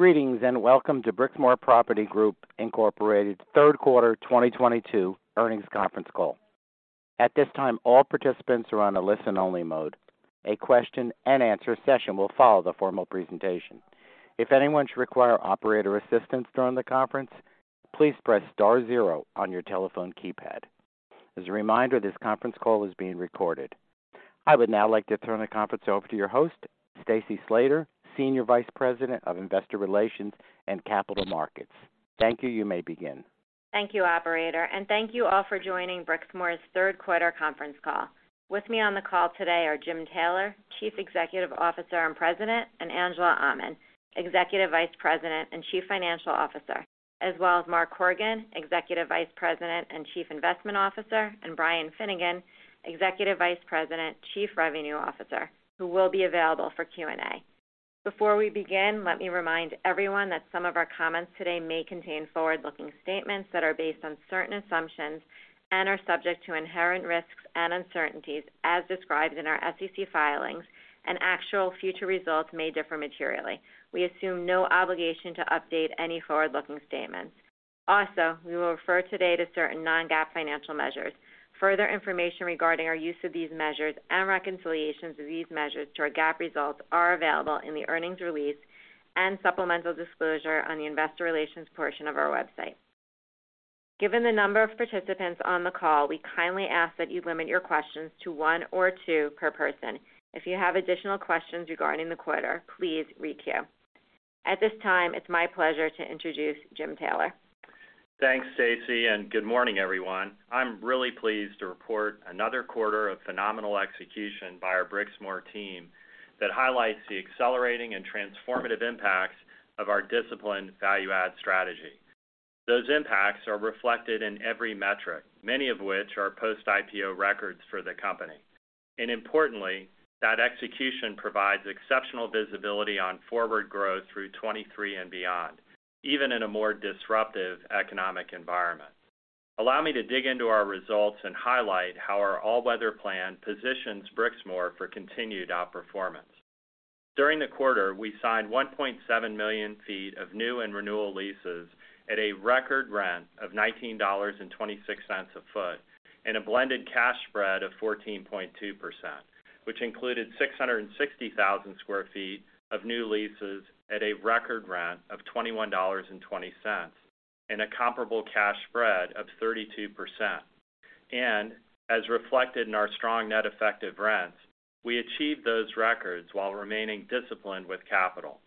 Greetings, and welcome to Brixmor Property Group Incorporated third quarter 2022 earnings conference call. At this time, all participants are on a listen-only mode. A question-and-answer session will follow the formal presentation. If anyone should require operator assistance during the conference, please press star zero on your telephone keypad. As a reminder, this conference call is being recorded. I would now like to turn the conference over to your host, Stacey Slater, Senior Vice President of Investor Relations and Capital Markets. Thank you. You may begin. Thank you, operator, and thank you all for joining Brixmor's third quarter conference call. With me on the call today are Jim Taylor, Chief Executive Officer and President, and Angela Aman, Executive Vice President and Chief Financial Officer, as well as Mark Horgan, Executive Vice President and Chief Investment Officer, and Brian Finnegan, Executive Vice President, Chief Revenue Officer, who will be available for Q&A. Before we begin, let me remind everyone that some of our comments today may contain forward-looking statements that are based on certain assumptions and are subject to inherent risks and uncertainties as described in our SEC filings, and actual future results may differ materially. We assume no obligation to update any forward-looking statements. Also, we will refer today to certain Non-GAAP financial measures. Further information regarding our use of these measures and reconciliations of these measures to our GAAP results are available in the earnings release and supplemental disclosure on the investor relations portion of our website. Given the number of participants on the call, we kindly ask that you limit your questions to one or two per person. If you have additional questions regarding the quarter, please re-queue. At this time, it's my pleasure to introduce Jim Taylor. Thanks, Stacy, and good morning, everyone. I'm really pleased to report another quarter of phenomenal execution by our Brixmor team that highlights the accelerating and transformative impacts of our disciplined value add strategy. Those impacts are reflected in every metric, many of which are post-IPO records for the company. Importantly, that execution provides exceptional visibility on forward growth through 2023 and beyond, even in a more disruptive economic environment. Allow me to dig into our results and highlight how our all-weather plan positions Brixmor for continued outperformance. During the quarter, we signed 1.7 million sq ft of new and renewal leases at a record rent of $19.26 a sq ft and a blended cash spread of 14.2%, which included 660,000 sq ft of new leases at a record rent of $21.20 and a comparable cash spread of 32%. As reflected in our strong net effective rents, we achieved those records while remaining disciplined with capital.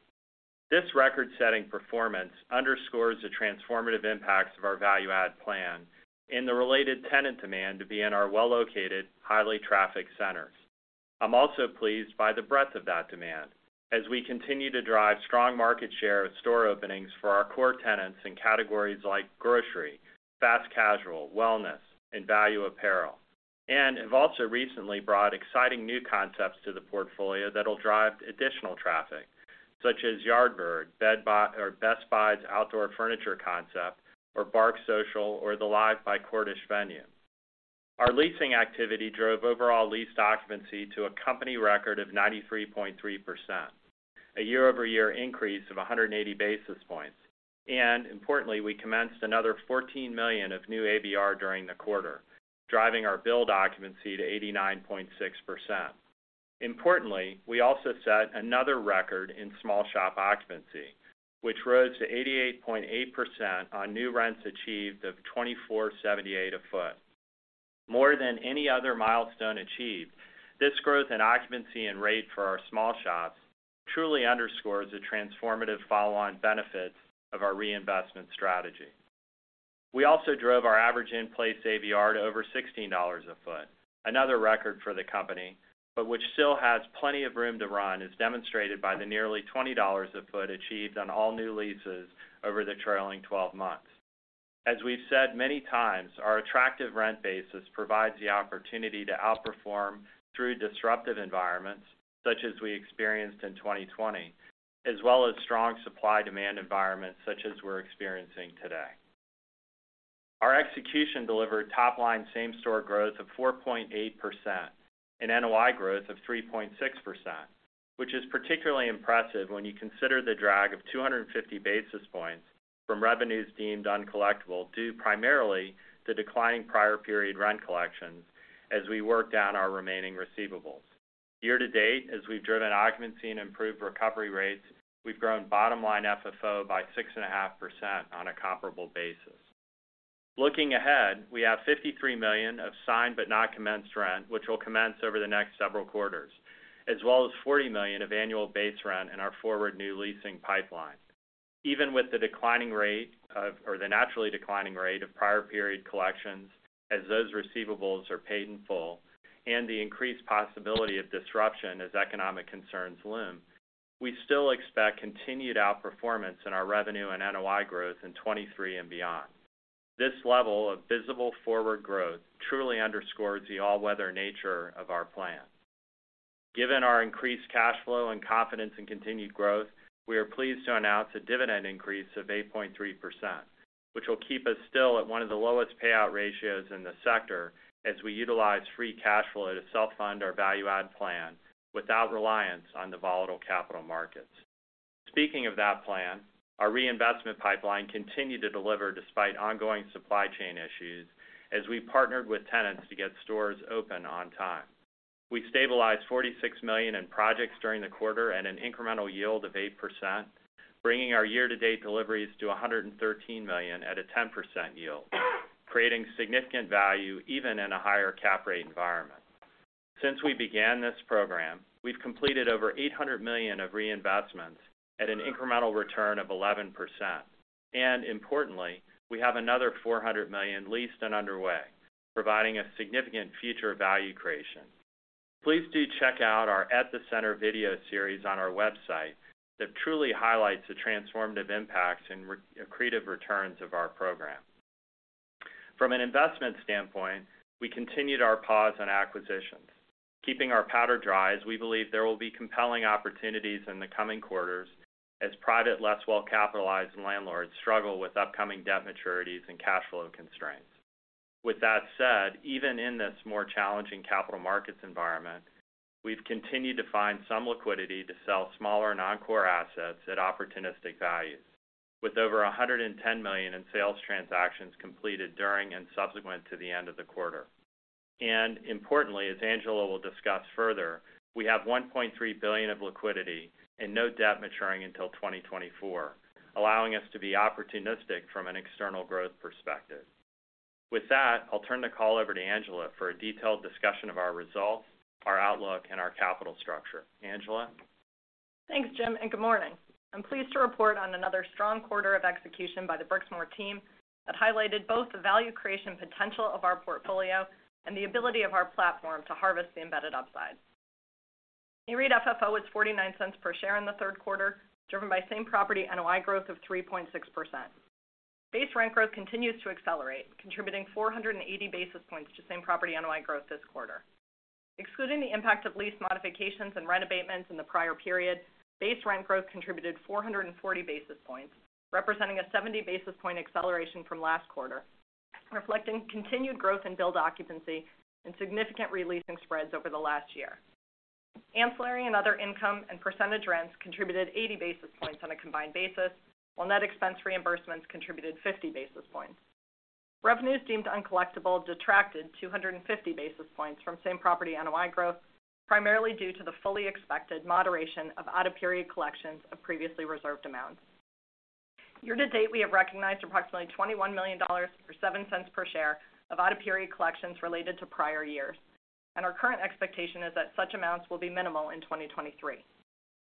This record-setting performance underscores the transformative impacts of our value add plan and the related tenant demand to be in our well-located, highly trafficked centers. I'm also pleased by the breadth of that demand as we continue to drive strong market share with store openings for our core tenants in categories like grocery, fast casual, wellness, and value apparel, and have also recently brought exciting new concepts to the portfolio that'll drive additional traffic, such as Yardbird, or Best Buy's outdoor furniture concept, or Bark Social, or the Live! by Cordish venue. Our leasing activity drove overall lease occupancy to a company record of 93.3%, a year-over-year increase of 180 basis points. Importantly, we commenced another $14 million of new ABR during the quarter, driving our leased occupancy to 89.6%. Importantly, we also set another record in small shop occupancy, which rose to 88.8% on new rents achieved of $24.78 a foot. More than any other milestone achieved, this growth in occupancy and rate for our small shops truly underscores the transformative follow-on benefits of our reinvestment strategy. We also drove our average in-place ABR to over $16 a foot, another record for the company, but which still has plenty of room to run, as demonstrated by the nearly $20 a foot achieved on all new leases over the trailing 12 months. As we've said many times, our attractive rent basis provides the opportunity to outperform through disruptive environments, such as we experienced in 2020, as well as strong supply-demand environments, such as we're experiencing today. Our execution delivered top-line same-store growth of 4.8% and NOI growth of 3.6%, which is particularly impressive when you consider the drag of 250 basis points from revenues deemed uncollectible, due primarily to declining prior period rent collections as we work down our remaining receivables. Year to date, as we've driven occupancy and improved recovery rates, we've grown bottom line FFO by 6.5% on a comparable basis. Looking ahead, we have $53 million of signed but not commenced rent, which will commence over the next several quarters, as well as $40 million of annual base rent in our forward new leasing pipeline. Even with the naturally declining rate of prior period collections as those receivables are paid in full and the increased possibility of disruption as economic concerns loom, we still expect continued outperformance in our revenue and NOI growth in 2023 and beyond. This level of visible forward growth truly underscores the all-weather nature of our plan. Given our increased cash flow and confidence in continued growth, we are pleased to announce a dividend increase of 8.3%, which will keep us still at one of the lowest payout ratios in the sector as we utilize free cash flow to self-fund our value-add plan without reliance on the volatile capital markets. Speaking of that plan, our reinvestment pipeline continued to deliver despite ongoing supply chain issues, as we partnered with tenants to get stores open on time. We stabilized $46 million in projects during the quarter at an incremental yield of 8%, bringing our year-to-date deliveries to $113 million at a 10% yield, creating significant value even in a higher cap rate environment. Since we began this program, we've completed over $800 million of reinvestments at an incremental return of 11%. Importantly, we have another $400 million leased and underway, providing a significant future value creation. Please do check out our At The Center video series on our website, that truly highlights the transformative impacts and re-accretive returns of our program. From an investment standpoint, we continued our pause on acquisitions. Keeping our powder dry, as we believe there will be compelling opportunities in the coming quarters as private, less well-capitalized landlords struggle with upcoming debt maturities and cash flow constraints. With that said, even in this more challenging capital markets environment, we've continued to find some liquidity to sell smaller non-core assets at opportunistic values. With over $110 million in sales transactions completed during and subsequent to the end of the quarter. Importantly, as Angela will discuss further, we have $1.3 billion of liquidity and no debt maturing until 2024, allowing us to be opportunistic from an external growth perspective. With that, I'll turn the call over to Angela for a detailed discussion of our results, our outlook, and our capital structure. Angela? Thanks, Jim, and good morning. I'm pleased to report on another strong quarter of execution by the Brixmor team that highlighted both the value creation potential of our portfolio and the ability of our platform to harvest the embedded upside. Core FFO was $0.49 per share in the third quarter, driven by same-property NOI growth of 3.6%. Base rent growth continues to accelerate, contributing 480 basis points to same-property NOI growth this quarter. Excluding the impact of lease modifications and rent abatements in the prior period, base rent growth contributed 440 basis points, representing a 70 basis point acceleration from last quarter, reflecting continued growth in leased occupancy and significant re-leasing spreads over the last year. Ancillary and other income and percentage rents contributed 80 basis points on a combined basis, while net expense reimbursements contributed 50 basis points. Revenues deemed uncollectible detracted 250 basis points from same-property NOI growth, primarily due to the fully expected moderation of out-of-period collections of previously reserved amounts. Year to date, we have recognized approximately $21 million, or $0.07 per share of out-of-period collections related to prior years, and our current expectation is that such amounts will be minimal in 2023.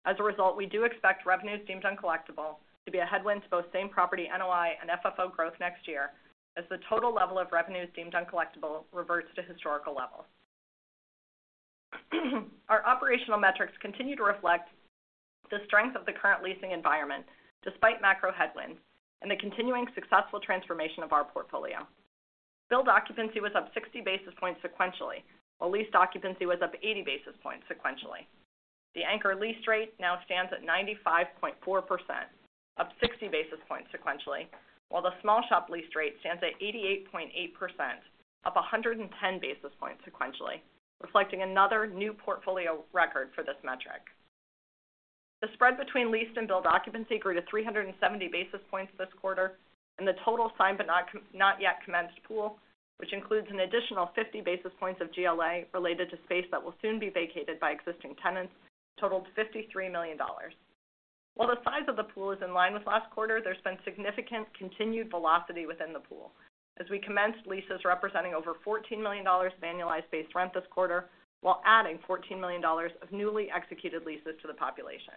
As a result, we do expect revenues deemed uncollectible to be a headwind to both same property NOI and FFO growth next year as the total level of revenues deemed uncollectible reverts to historical levels. Our operational metrics continue to reflect the strength of the current leasing environment despite macro headwinds and the continuing successful transformation of our portfolio. Blended occupancy was up 60 basis points sequentially, while lease occupancy was up 80 basis points sequentially. The anchor lease rate now stands at 95.4%, up 60 basis points sequentially, while the small shop lease rate stands at 88.8%, up 110 basis points sequentially, reflecting another new portfolio record for this metric. The spread between leased and billed occupancy grew to 370 basis points this quarter, and the total signed but not yet commenced pool, which includes an additional 50 basis points of GLA related to space that will soon be vacated by existing tenants, totaled $53 million. While the size of the pool is in line with last quarter, there's been significant continued velocity within the pool as we commenced leases representing over $14 million annualized base rent this quarter, while adding $14 million of newly executed leases to the population.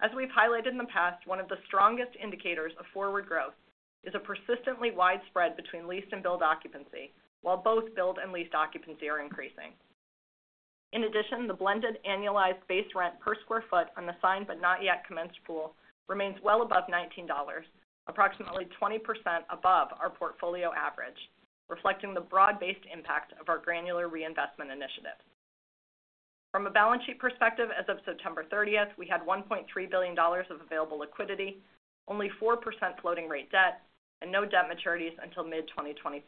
As we've highlighted in the past, one of the strongest indicators of forward growth is a persistently wide spread between leased and occupied occupancy, while both occupied and leased occupancy are increasing. In addition, the blended annualized base rent per sq ft on the signed but not yet commenced pool remains well above $19, approximately 20% above our portfolio average, reflecting the broad-based impact of our granular reinvestment initiative. From a balance sheet perspective, as of September 30th, we had $1.3 billion of available liquidity, only 4% floating rate debt, and no debt maturities until mid-2024.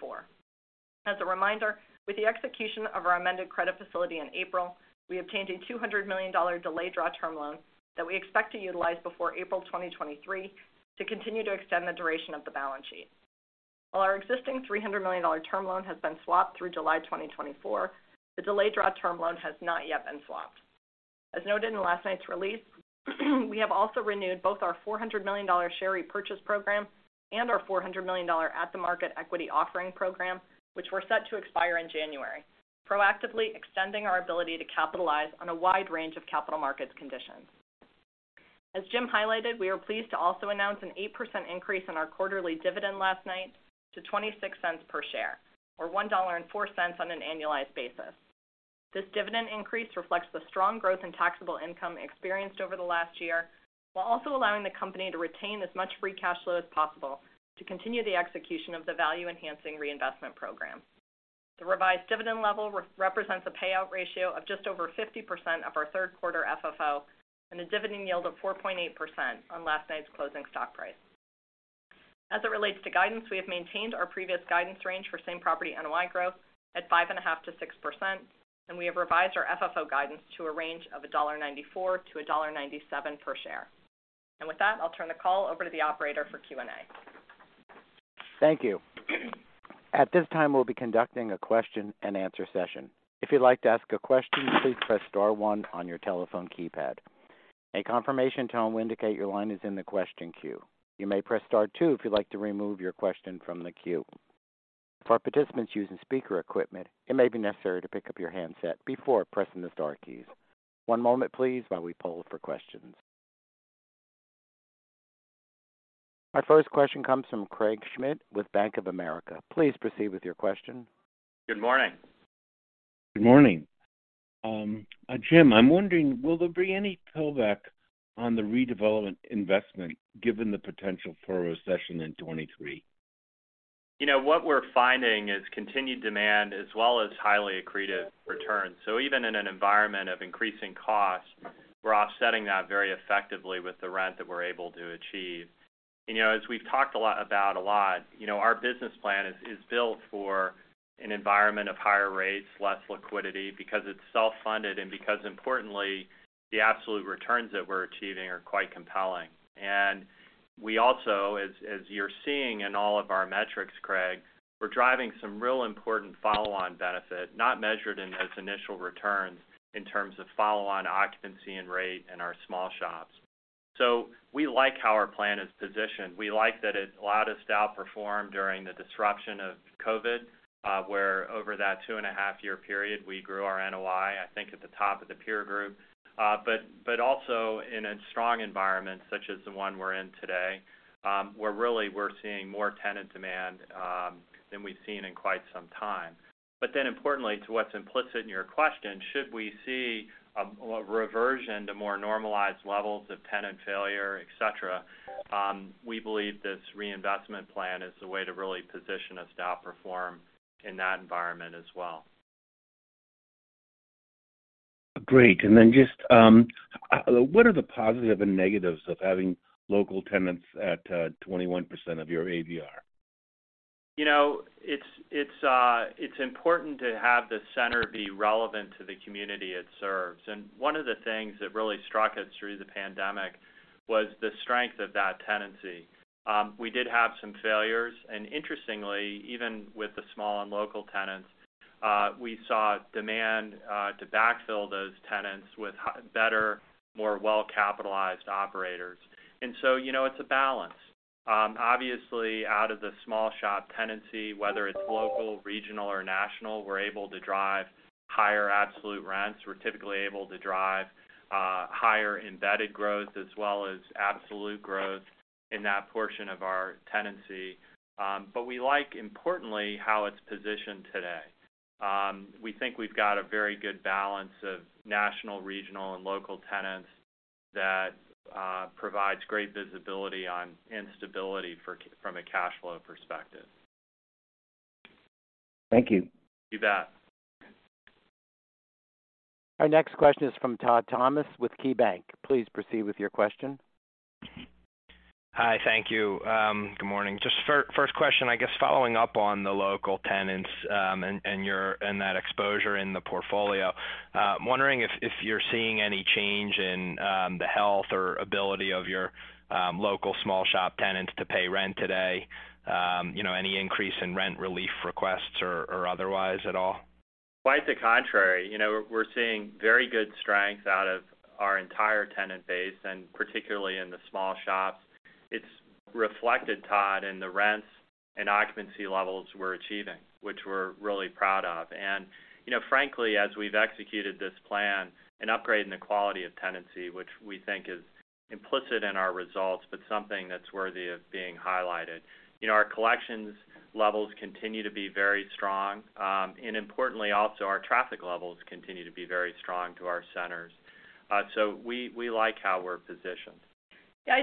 As a reminder, with the execution of our amended credit facility in April, we obtained a $200 million delayed draw term loan that we expect to utilize before April 2023 to continue to extend the duration of the balance sheet. While our existing $300 million term loan has been swapped through July 2024, the delayed draw term loan has not yet been swapped. As noted in last night's release, we have also renewed both our $400 million share repurchase program and our $400 million at-the-market equity offering program, which were set to expire in January, proactively extending our ability to capitalize on a wide range of capital markets conditions. As Jim highlighted, we are pleased to also announce an 8% increase in our quarterly dividend last night to $0.26 per share, or $1.04 on an annualized basis. This dividend increase reflects the strong growth in taxable income experienced over the last year, while also allowing the company to retain as much free cash flow as possible to continue the execution of the value-enhancing reinvestment program. The revised dividend level represents a payout ratio of just over 50% of our third quarter FFO and a dividend yield of 4.8% on last night's closing stock price. As it relates to guidance, we have maintained our previous guidance range for same-property NOI growth at 5.5%-6%, and we have revised our FFO guidance to a range of $1.94-$1.97 per share. With that, I'll turn the call over to the operator for Q&A. Thank you. At this time, we'll be conducting a question-and-answer session. If you'd like to ask a question, please press star one on your telephone keypad. A confirmation tone will indicate your line is in the question queue. You may press star two if you'd like to remove your question from the queue. For participants using speaker equipment, it may be necessary to pick up your handset before pressing the star keys. One moment please while we poll for questions. Our first question comes from Craig Schmidt with Bank of America. Please proceed with your question. Good morning. Good morning. Jim, I'm wondering, will there be any pullback on the redevelopment investment given the potential for a recession in 2023? You know, what we're finding is continued demand as well as highly accretive returns. So even in an environment of increasing costs, we're offsetting that very effectively with the rent that we're able to achieve. You know, as we've talked a lot about, you know, our business plan is built for an environment of higher rates, less liquidity because it's self-funded and because importantly, the absolute returns that we're achieving are quite compelling. We also, as you're seeing in all of our metrics, Craig, we're driving some real important follow-on benefit, not measured in those initial returns in terms of follow-on occupancy and rate in our small shops. We like how our plan is positioned. We like that it allowed us to outperform during the disruption of COVID, where over that 2.5-year period, we grew our NOI, I think, at the top of the peer group. But also in a strong environment such as the one we're in today, where really we're seeing more tenant demand than we've seen in quite some time. Importantly, to what's implicit in your question, should we see a reversion to more normalized levels of tenant failure, et cetera, we believe this reinvestment plan is the way to really position us to outperform in that environment as well. Great. Just what are the positives and negatives of having local tenants at 21% of your ABR? You know, it's important to have the center be relevant to the community it serves. One of the things that really struck us through the pandemic was the strength of that tenancy. We did have some failures. Interestingly, even with the small and local tenants, we saw demand to backfill those tenants with better, more well-capitalized operators. You know, it's a balance. Obviously, out of the small shop tenancy, whether it's local, regional, or national, we're able to drive higher absolute rents. We're typically able to drive higher embedded growth as well as absolute growth in that portion of our tenancy. We like importantly how it's positioned today. We think we've got a very good balance of national, regional, and local tenants that provides great visibility and stability from a cash flow perspective. Thank you. You bet. Our next question is from Todd Thomas with KeyBanc. Please proceed with your question. Hi. Thank you. Good morning. Just first question, I guess following up on the local tenants, and that exposure in the portfolio. Wondering if you're seeing any change in the health or ability of your local small shop tenants to pay rent today, you know, any increase in rent relief requests or otherwise at all? Quite the contrary. You know, we're seeing very good strength out of our entire tenant base, and particularly in the small shops. It's reflected, Todd, in the rents and occupancy levels we're achieving, which we're really proud of. You know, frankly, as we've executed this plan, an upgrade in the quality of tenancy, which we think is implicit in our results, but something that's worthy of being highlighted. You know, our collections levels continue to be very strong. Importantly, also, our traffic levels continue to be very strong to our centers. We like how we're positioned. Yeah,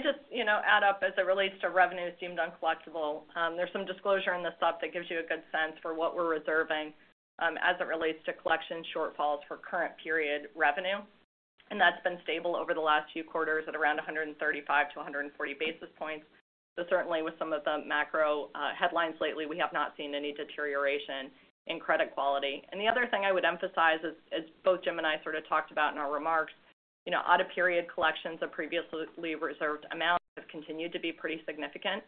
just, you know, add up as it relates to revenue deemed uncollectible. There's some disclosure in the stuff that gives you a good sense for what we're reserving, as it relates to collection shortfalls for current period revenue. That's been stable over the last few quarters at around 135 basis points-140 basis points. Certainly with some of the macro headlines lately, we have not seen any deterioration in credit quality. The other thing I would emphasize is, as both Jim and I sort of talked about in our remarks, you know, out-of-period collections of previously reserved amounts have continued to be pretty significant.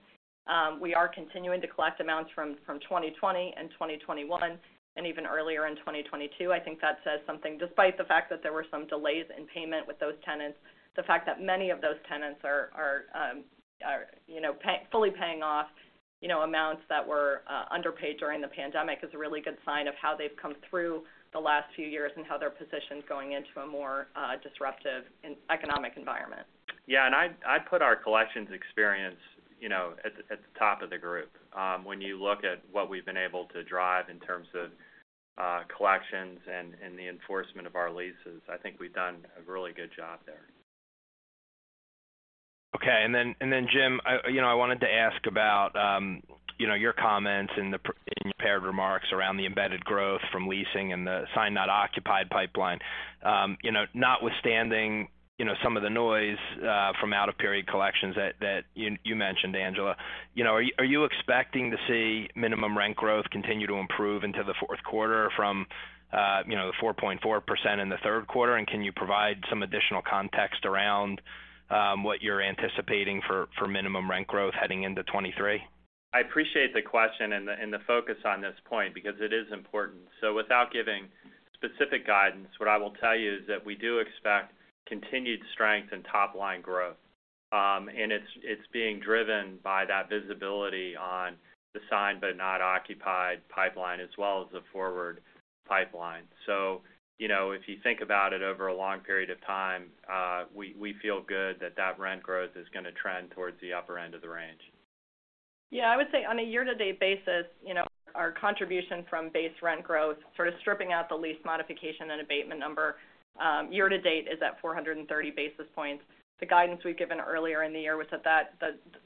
We are continuing to collect amounts from 2020 and 2021, and even earlier in 2022. I think that says something, despite the fact that there were some delays in payment with those tenants. The fact that many of those tenants are you know fully paying off you know amounts that were underpaid during the pandemic is a really good sign of how they've come through the last few years and how they're positioned going into a more disruptive economic environment. Yeah. I put our collections experience, you know, at the top of the group. When you look at what we've been able to drive in terms of collections and the enforcement of our leases, I think we've done a really good job there. Okay. Jim, you know, I wanted to ask about your comments in your prepared remarks around the embedded growth from leasing and the signed-not-occupied pipeline. You know, notwithstanding some of the noise from out of period collections that you mentioned, Angela. You know, are you expecting to see minimum rent growth continue to improve into the fourth quarter from the 4.4% in the third quarter? And can you provide some additional context around what you're anticipating for minimum rent growth heading into 2023? I appreciate the question and the focus on this point because it is important. Without giving specific guidance, what I will tell you is that we do expect continued strength in top line growth. It's being driven by that visibility on the signed but not occupied pipeline as well as the forward pipeline. You know, if you think about it over a long period of time, we feel good that rent growth is gonna trend towards the upper end of the range. Yeah. I would say on a year-to-date basis, you know, our contribution from base rent growth, sort of stripping out the lease modification and abatement number, year to date is at 430 basis points. The guidance we've given earlier in the year was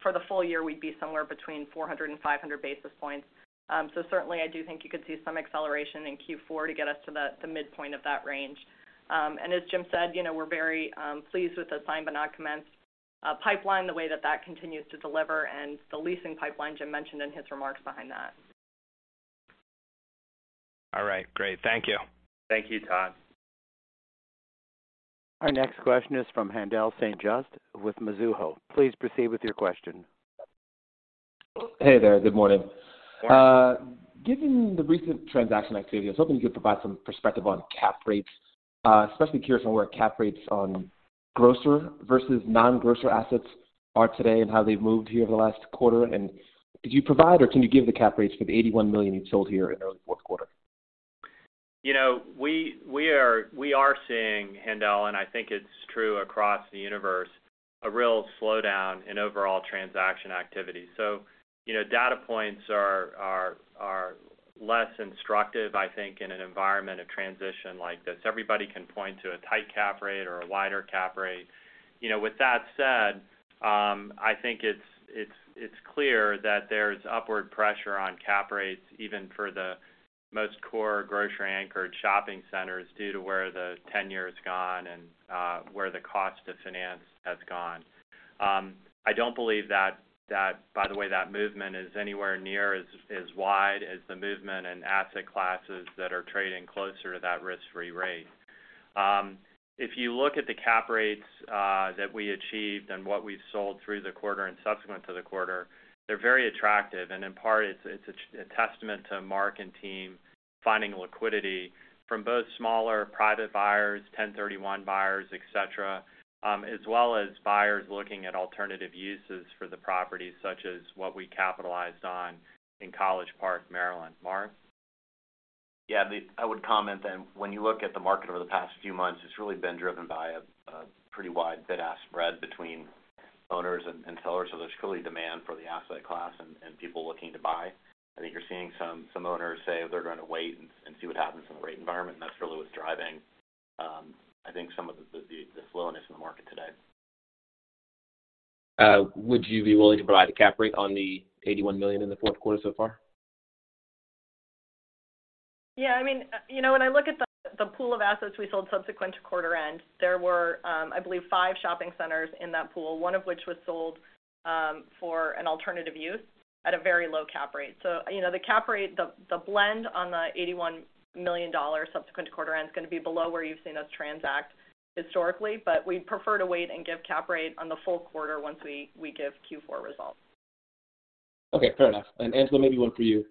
for the full year, we'd be somewhere between 400 and 500 basis points. Certainly I do think you could see some acceleration in Q4 to get us to the midpoint of that range. As Jim said, you know, we're very pleased with the signed but not commenced pipeline, the way that that continues to deliver and the leasing pipeline Jim mentioned in his remarks behind that. All right. Great. Thank you. Thank you, Todd. Our next question is from Haendel St. Juste with Mizuho. Please proceed with your question. Hey there. Good morning. Good morning. Given the recent transaction activity, I was hoping you could provide some perspective on cap rates. Especially curious on where cap rates on grocer versus non-grocer assets are today and how they've moved here over the last quarter. Could you provide or can you give the cap rates for the $81 million you sold here in early fourth quarter? You know, we are seeing, Haendel, and I think it's true across the universe, a real slowdown in overall transaction activity. You know, data points are less instructive, I think, in an environment of transition like this. Everybody can point to a tight cap rate or a wider cap rate. You know, with that said, I think it's clear that there's upward pressure on cap rates, even for the most core grocery anchored shopping centers due to where the 10-year's gone and where the cost to finance has gone. I don't believe that by the way, that movement is anywhere near as wide as the movement in asset classes that are trading closer to that risk-free rate. If you look at the cap rates that we achieved and what we've sold through the quarter and subsequent to the quarter, they're very attractive. In part, it's a testament to Mark and team finding liquidity from both smaller private buyers, ten thirty-one buyers, et cetera, as well as buyers looking at alternative uses for the properties such as what we capitalized on in College Park, Maryland. Mark? I would comment that when you look at the market over the past few months, it's really been driven by a pretty wide bid-ask spread between owners and sellers. There's truly demand for the asset class and people looking to buy. I think you're seeing some owners say they're gonna wait and see what happens in the rate environment, and that's really what's driving I think some of the slowness in the market today. Would you be willing to provide a cap rate on the $81 million in the fourth quarter so far? Yeah, I mean, you know, when I look at the pool of assets we sold subsequent to quarter end, there were, I believe, five shopping centers in that pool, one of which was sold for an alternative use at a very low cap rate. You know, the cap rate, the blend on the $81 million subsequent to quarter end is gonna be below where you've seen us transact historically. We'd prefer to wait and give cap rate on the full quarter once we give Q4 results. Okay. Fair enough. Angela, maybe one for you.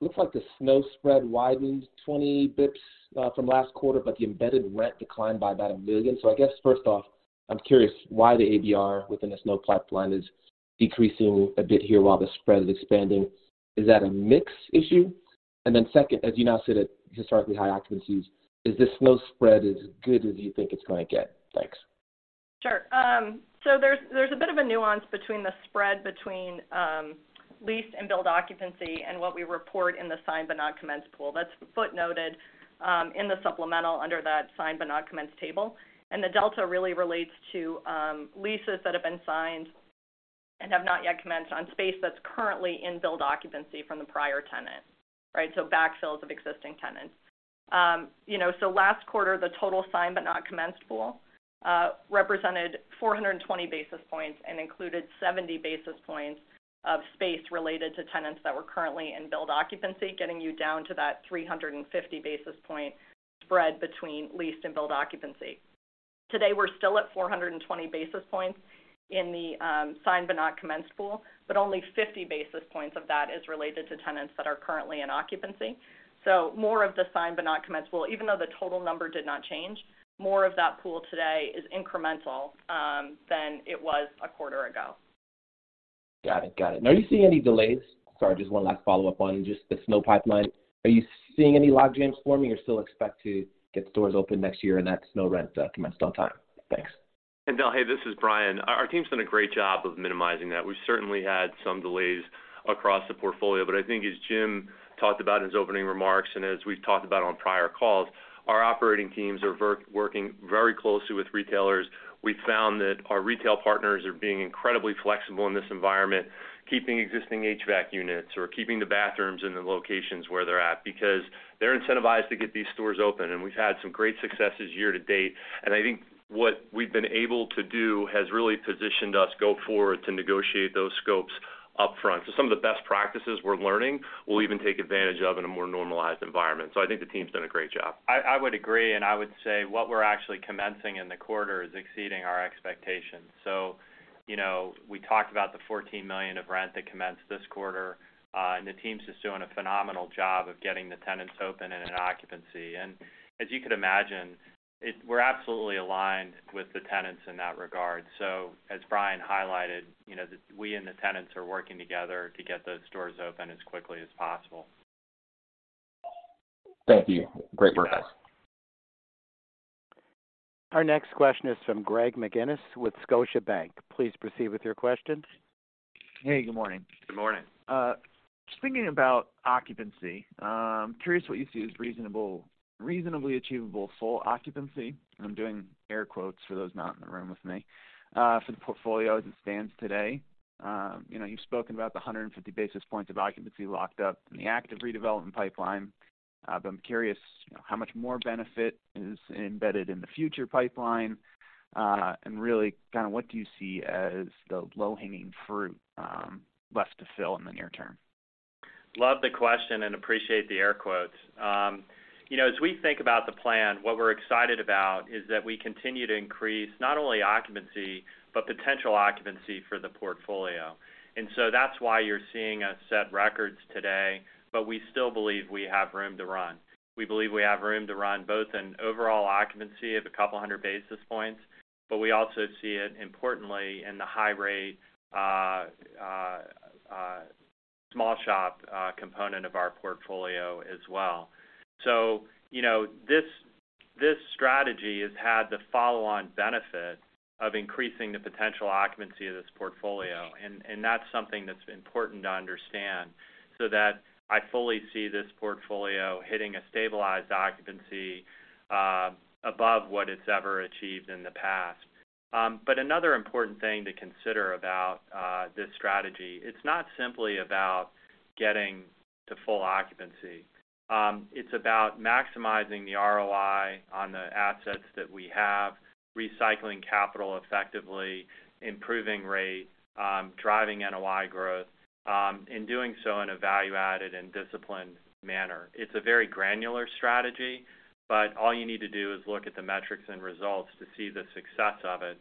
Looks like the SNOW spread widened 20 basis points from last quarter, but the embedded rent declined by about $1 million. I guess, first off, I'm curious why the ABR within the SNOW pipeline is decreasing a bit here while the spread is expanding. Is that a mix issue? Second, as you now sit at historically high occupancies, is the SNOW spread as good as you think it's gonna get? Thanks. Sure. There's a bit of a nuance between the spread between leased and built occupancy and what we report in the signed but not commenced pool. That's footnoted in the supplemental under that signed but not commenced table. The delta really relates to leases that have been signed and have not yet commenced on space that's currently in built occupancy from the prior tenant. Right? Backfills of existing tenants. You know, last quarter, the total signed but not commenced pool represented 420 basis points and included 70 basis points of space related to tenants that were currently in built occupancy, getting you down to that 350 basis point spread between leased and built occupancy. Today, we're still at 420 basis points in the signed but not commenced pool, but only 50 basis points of that is related to tenants that are currently in occupancy. More of the signed but not commenced pool. Even though the total number did not change, more of that pool today is incremental than it was a quarter ago. Got it. Are you seeing any delays? Sorry, just one last follow-up on just the SNO pipeline. Are you seeing any logjams forming or still expect to get stores open next year and that SNO rent commenced on time? Thanks. Del, hey, this is Brian. Our team's done a great job of minimizing that. We've certainly had some delays across the portfolio, but I think as Jim talked about in his opening remarks, and as we've talked about on prior calls, our operating teams are working very closely with retailers. We found that our retail partners are being incredibly flexible in this environment, keeping existing HVAC units or keeping the bathrooms in the locations where they're at because they're incentivized to get these stores open. We've had some great successes year to date. I think what we've been able to do has really positioned us go forward to negotiate those scopes upfront. Some of the best practices we're learning, we'll even take advantage of in a more normalized environment. I think the team's done a great job. I would agree, and I would say what we're actually commencing in the quarter is exceeding our expectations. You know, we talked about the $14 million of rent that commenced this quarter, and the team's just doing a phenomenal job of getting the tenants open and in occupancy. As you could imagine, we're absolutely aligned with the tenants in that regard. As Brian highlighted, you know, we and the tenants are working together to get those stores open as quickly as possible. Thank you. Great work. Our next question is from Greg McGinniss with Scotiabank. Please proceed with your questions. Hey, good morning. Good morning. Just thinking about occupancy. Curious what you see as reasonably achievable full occupancy. I'm doing air quotes for those not in the room with me, for the portfolio as it stands today. You know, you've spoken about the 150 basis points of occupancy locked up in the active redevelopment pipeline. I'm curious, you know, how much more benefit is embedded in the future pipeline, and really kind of what do you see as the low-hanging fruit left to fill in the near term? Love the question and appreciate the air quotes. You know, as we think about the plan, what we're excited about is that we continue to increase not only occupancy, but potential occupancy for the portfolio. That's why you're seeing us set records today, but we still believe we have room to run. We believe we have room to run both in overall occupancy of a couple hundred basis points, but we also see it importantly in the high rate small shop component of our portfolio as well. You know, this strategy has had the follow-on benefit of increasing the potential occupancy of this portfolio, and that's something that's important to understand, so that I fully see this portfolio hitting a stabilized occupancy above what it's ever achieved in the past. Another important thing to consider about this strategy, it's not simply about getting to full occupancy. It's about maximizing the ROI on the assets that we have, recycling capital effectively, improving rate, driving NOI growth, and doing so in a value-added and disciplined manner. It's a very granular strategy, but all you need to do is look at the metrics and results to see the success of it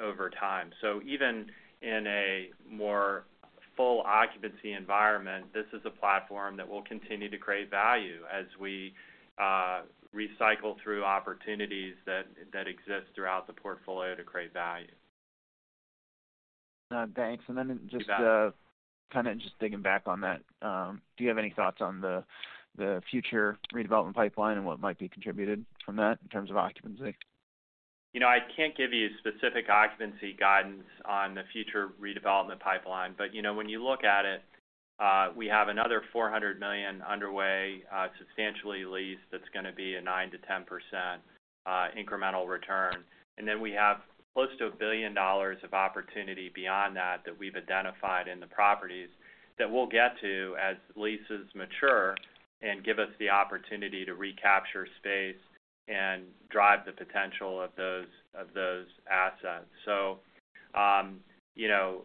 over time. Even in a more full occupancy environment, this is a platform that will continue to create value as we recycle through opportunities that exist throughout the portfolio to create value. Thanks. You bet. Kind of just digging back on that, do you have any thoughts on the future redevelopment pipeline and what might be contributed from that in terms of occupancy? You know, I can't give you specific occupancy guidance on the future redevelopment pipeline. You know, when you look at it, we have another $400 million underway, substantially leased that's gonna be a 9%-10% incremental return. We have close to $1 billion of opportunity beyond that we've identified in the properties that we'll get to as leases mature and give us the opportunity to recapture space and drive the potential of those assets. You know,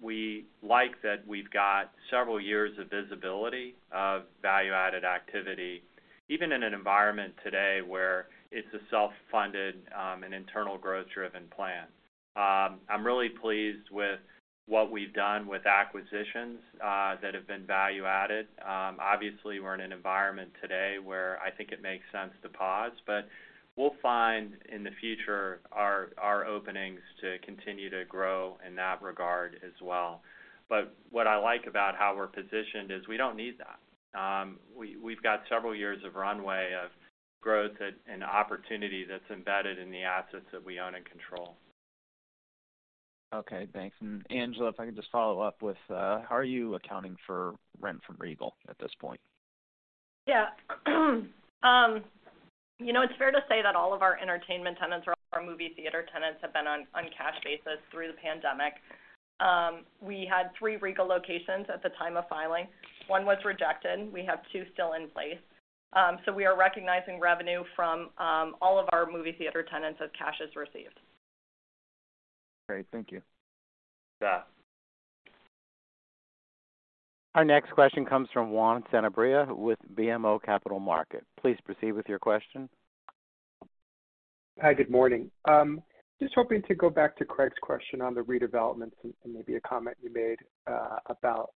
we like that we've got several years of visibility of value-added activity, even in an environment today where it's a self-funded and internal growth-driven plan. I'm really pleased with what we've done with acquisitions that have been value added. Obviously, we're in an environment today where I think it makes sense to pause, but we'll find in the future our openings to continue to grow in that regard as well. What I like about how we're positioned is we don't need that. We've got several years of runway of growth and opportunity that's embedded in the assets that we own and control. Okay, thanks. Angela, if I could just follow up with, how are you accounting for rent from Regal at this point? Yeah. You know, it's fair to say that all of our entertainment tenants or our movie theater tenants have been on cash basis through the pandemic. We had three Regal locations at the time of filing. One was rejected. We have two still in place. We are recognizing revenue from all of our movie theater tenants as cash is received. Great. Thank you. Yeah. Our next question comes from Juan Sanabria with BMO Capital Markets. Please proceed with your question. Hi, good morning. Just hoping to go back to Craig's question on the redevelopments and maybe a comment you made about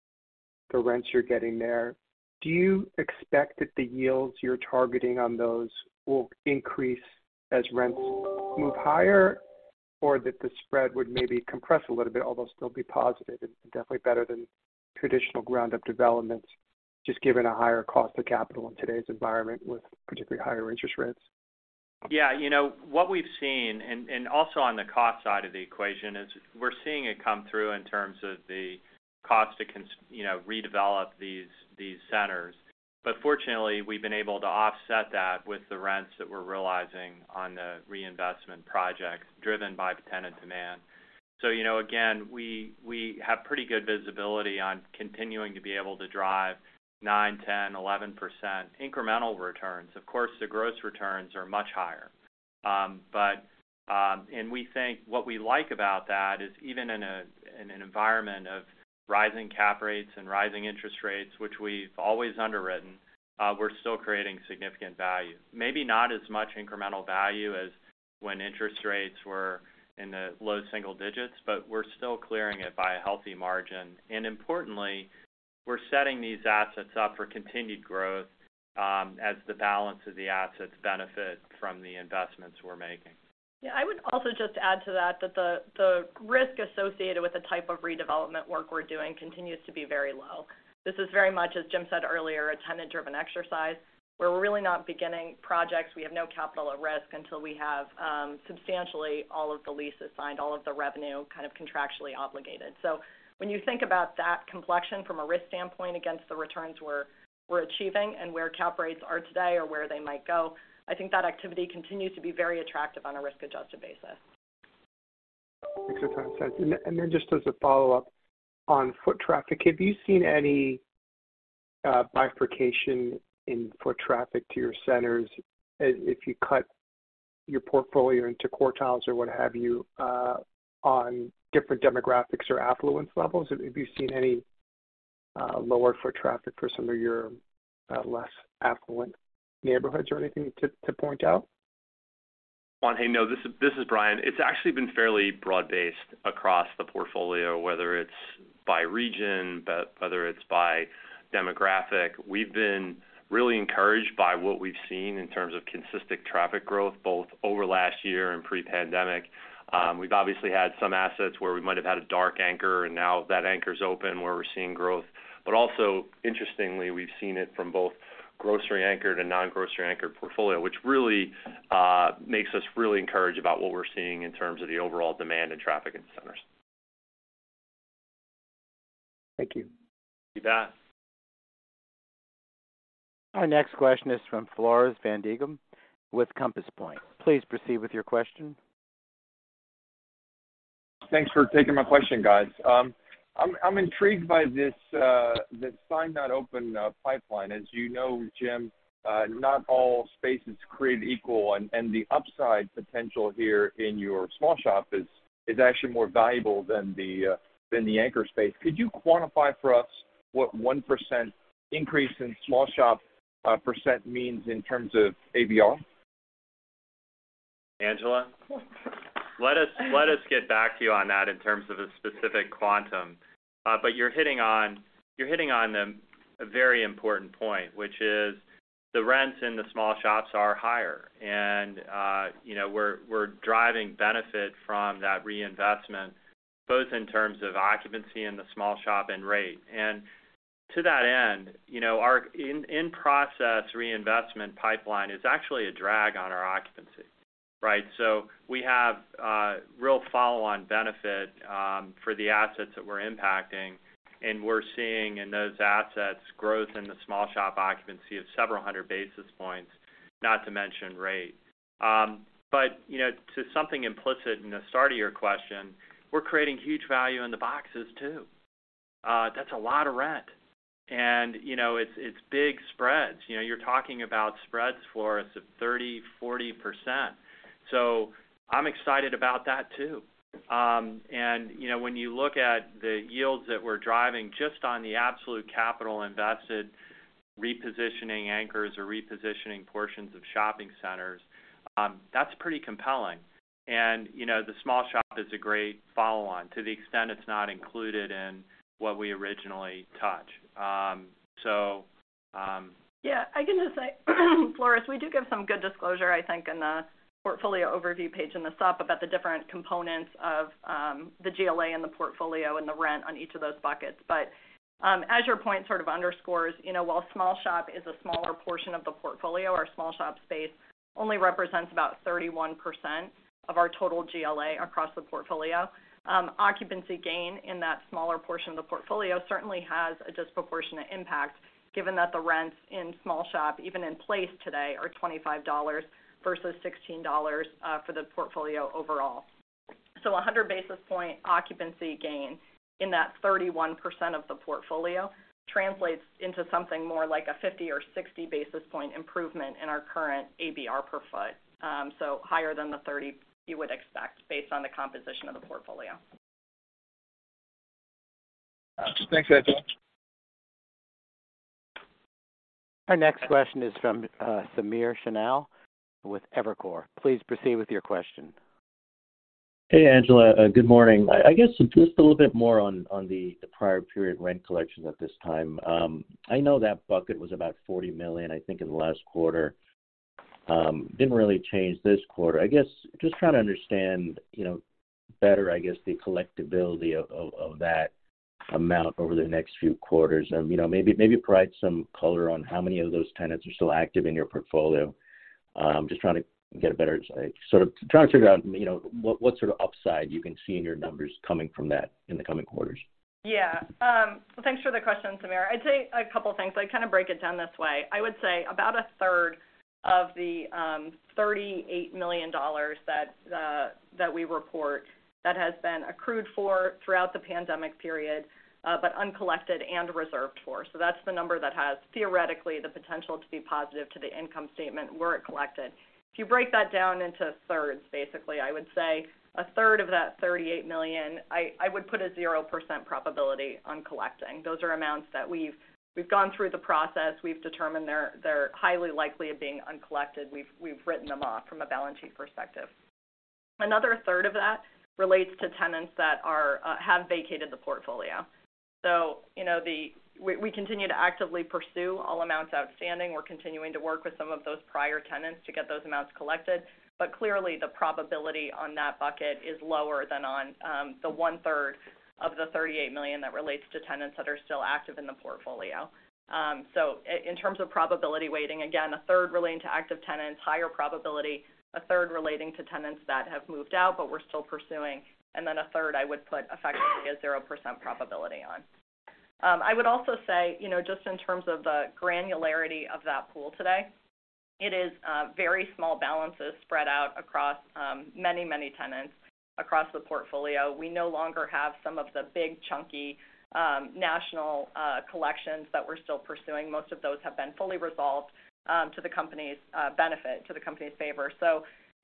the rents you're getting there. Do you expect that the yields you're targeting on those will increase as rents move higher, or that the spread would maybe compress a little bit, although still be positive and definitely better than traditional ground-up developments? Just given a higher cost of capital in today's environment with particularly higher interest rates. Yeah. You know what we've seen and also on the cost side of the equation is we're seeing it come through in terms of the cost to redevelop these centers. Fortunately, we've been able to offset that with the rents that we're realizing on the reinvestment projects driven by tenant demand. You know, again, we have pretty good visibility on continuing to be able to drive 9%-11% incremental returns. Of course, the gross returns are much higher. We think what we like about that is even in an environment of rising cap rates and rising interest rates, which we've always underwritten, we're still creating significant value. Maybe not as much incremental value as when interest rates were in the low single digits, but we're still clearing it by a healthy margin. Importantly, we're setting these assets up for continued growth, as the balance of the assets benefit from the investments we're making. Yeah. I would also just add to that the risk associated with the type of redevelopment work we're doing continues to be very low. This is very much, as Jim said earlier, a tenant-driven exercise where we're really not beginning projects. We have no capital at risk until we have substantially all of the leases signed, all of the revenue kind of contractually obligated. So when you think about that complexion from a risk standpoint against the returns we're achieving and where cap rates are today or where they might go, I think that activity continues to be very attractive on a risk-adjusted basis. Makes a ton of sense. Just as a follow-up, on foot traffic, have you seen any bifurcation in foot traffic to your centers if you cut your portfolio into quartiles or what have you, on different demographics or affluence levels? Have you seen any lower foot traffic for some of your less affluent neighborhoods or anything to point out? Juan, hey. No, this is Brian. It's actually been fairly broad-based across the portfolio, whether it's by region, but whether it's by demographic. We've been really encouraged by what we've seen in terms of consistent traffic growth, both over last year and pre-pandemic. We've obviously had some assets where we might have had a dark anchor, and now that anchor's open where we're seeing growth. Also interestingly, we've seen it from both grocery anchored and non-grocery anchored portfolio, which really makes us really encouraged about what we're seeing in terms of the overall demand in traffic in centers. Thank you. You bet. Our next question is from Floris van Dijkum with Compass Point. Please proceed with your question. Thanks for taking my question, guys. I'm intrigued by this signed not open pipeline. As you know, Jim, not all space is created equal, and the upside potential here in your small shop is actually more valuable than the anchor space. Could you quantify for us what 1% increase in small shop percent means in terms of ABR? Angela, let us get back to you on that in terms of a specific quantum. You're hitting on a very important point, which is the rents in the small shops are higher. You know, we're driving benefit from that reinvestment both in terms of occupancy in the small shop and rate. To that end, you know, our in-process reinvestment pipeline is actually a drag on our occupancy, right? We have real follow-on benefit for the assets that we're impacting, and we're seeing in those assets growth in the small shop occupancy of several hundred basis points, not to mention rate. You know, to something implicit in the start of your question, we're creating huge value in the boxes too. That's a lot of rent. You know, it's big spreads. You know, you're talking about spreads, Floris, of 30%-40%. I'm excited about that too. You know, when you look at the yields that we're driving just on the absolute capital invested, repositioning anchors or repositioning portions of shopping centers, that's pretty compelling. You know, the small shop is a great follow-on to the extent it's not included in what we originally touch. Yeah. I can just say, Floris, we do give some good disclosure, I think, in the portfolio overview page in the supp about the different components of the GLA and the portfolio and the rent on each of those buckets. As your point sort of underscores, you know, while small shop is a smaller portion of the portfolio, our small shop space only represents about 31% of our total GLA across the portfolio. Occupancy gain in that smaller portion of the portfolio certainly has a disproportionate impact given that the rents in small shop, even in place today, are $25 versus $16 for the portfolio overall. A 100 basis point occupancy gain in that 31% of the portfolio translates into something more like a 50 or 60 basis point improvement in our current ABR per foot. Higher than the 30 you would expect based on the composition of the portfolio. Thanks, Angela. Our next question is from Samir Khanal with Evercore. Please proceed with your question. Hey, Angela, good morning. I guess just a little bit more on the prior period rent collection at this time. I know that bucket was about $40 million, I think, in the last quarter. Didn't really change this quarter. I guess just trying to understand, you know, better, I guess, the collectibility of that amount over the next few quarters. You know, maybe provide some color on how many of those tenants are still active in your portfolio. Just trying to sort of figure out, you know, what sort of upside you can see in your numbers coming from that in the coming quarters. Yeah. Thanks for the question, Samir. I'd say a couple things. I kind of break it down this way. I would say about a third of the $38 million that we report that has been accrued for throughout the pandemic period, but uncollected and reserved for. That's the number that has theoretically the potential to be positive to the income statement were it collected. If you break that down into thirds, basically, I would say a third of that $38 million, I would put a 0% probability on collecting. Those are amounts that we've gone through the process, we've determined they're highly likely of being uncollected. We've written them off from a balance sheet perspective. Another third of that relates to tenants that have vacated the portfolio. You know, we continue to actively pursue all amounts outstanding. We're continuing to work with some of those prior tenants to get those amounts collected. Clearly, the probability on that bucket is lower than on the one-third of the $38 million that relates to tenants that are still active in the portfolio. In terms of probability weighting, again, a third relating to active tenants, higher probability, a third relating to tenants that have moved out, but we're still pursuing, and then a third I would put effectively a 0% probability on. I would also say, you know, just in terms of the granularity of that pool today, it is very small balances spread out across many, many tenants across the portfolio. We no longer have some of the big chunky national collections that we're still pursuing. Most of those have been fully resolved to the company's benefit, to the company's favor.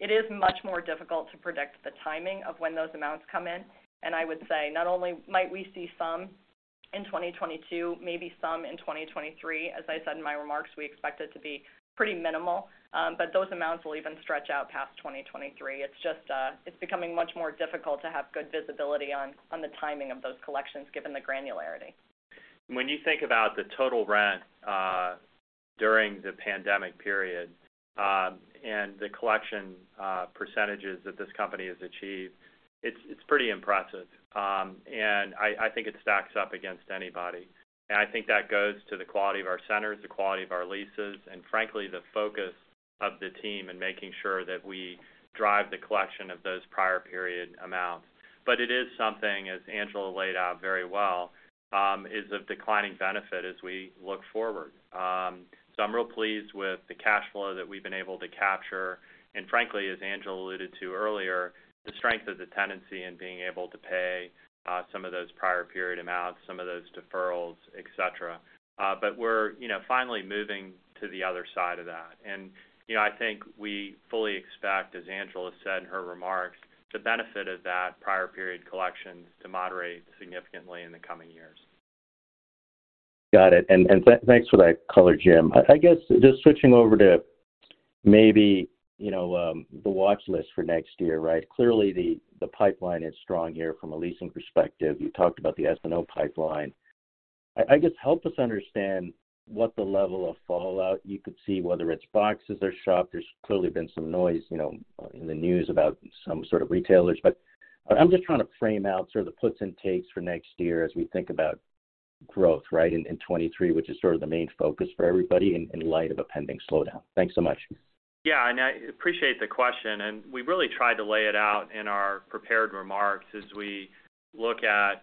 It is much more difficult to predict the timing of when those amounts come in. I would say not only might we see some in 2022, maybe some in 2023, as I said in my remarks, we expect it to be pretty minimal, but those amounts will even stretch out past 2023. It's just, it's becoming much more difficult to have good visibility on the timing of those collections given the granularity. When you think about the total rent, during the pandemic period, and the collection percentages that this company has achieved, it's pretty impressive. I think it stacks up against anybody. I think that goes to the quality of our centers, the quality of our leases, and frankly, the focus of the team in making sure that we drive the collection of those prior period amounts. It is something, as Angela laid out very well, is of declining benefit as we look forward. I'm real pleased with the cash flow that we've been able to capture, and frankly, as Angela alluded to earlier, the strength of the tenancy in being able to pay some of those prior period amounts, some of those deferrals, et cetera. We're, you know, finally moving to the other side of that. You know, I think we fully expect, as Angela said in her remarks, the benefit of that prior period collections to moderate significantly in the coming years. Got it. Thanks for that color, Jim. I guess just switching over to maybe, you know, the watch list for next year, right? Clearly, the pipeline is strong here from a leasing perspective. You talked about the SNO pipeline. I guess help us understand what the level of fallout you could see, whether it's boxes or shop. There's clearly been some noise, you know, in the news about some sort of retailers. I'm just trying to frame out sort of the puts and takes for next year as we think about growth, right, in 2023, which is sort of the main focus for everybody in light of a pending slowdown. Thanks so much. I appreciate the question, and we really tried to lay it out in our prepared remarks as we look at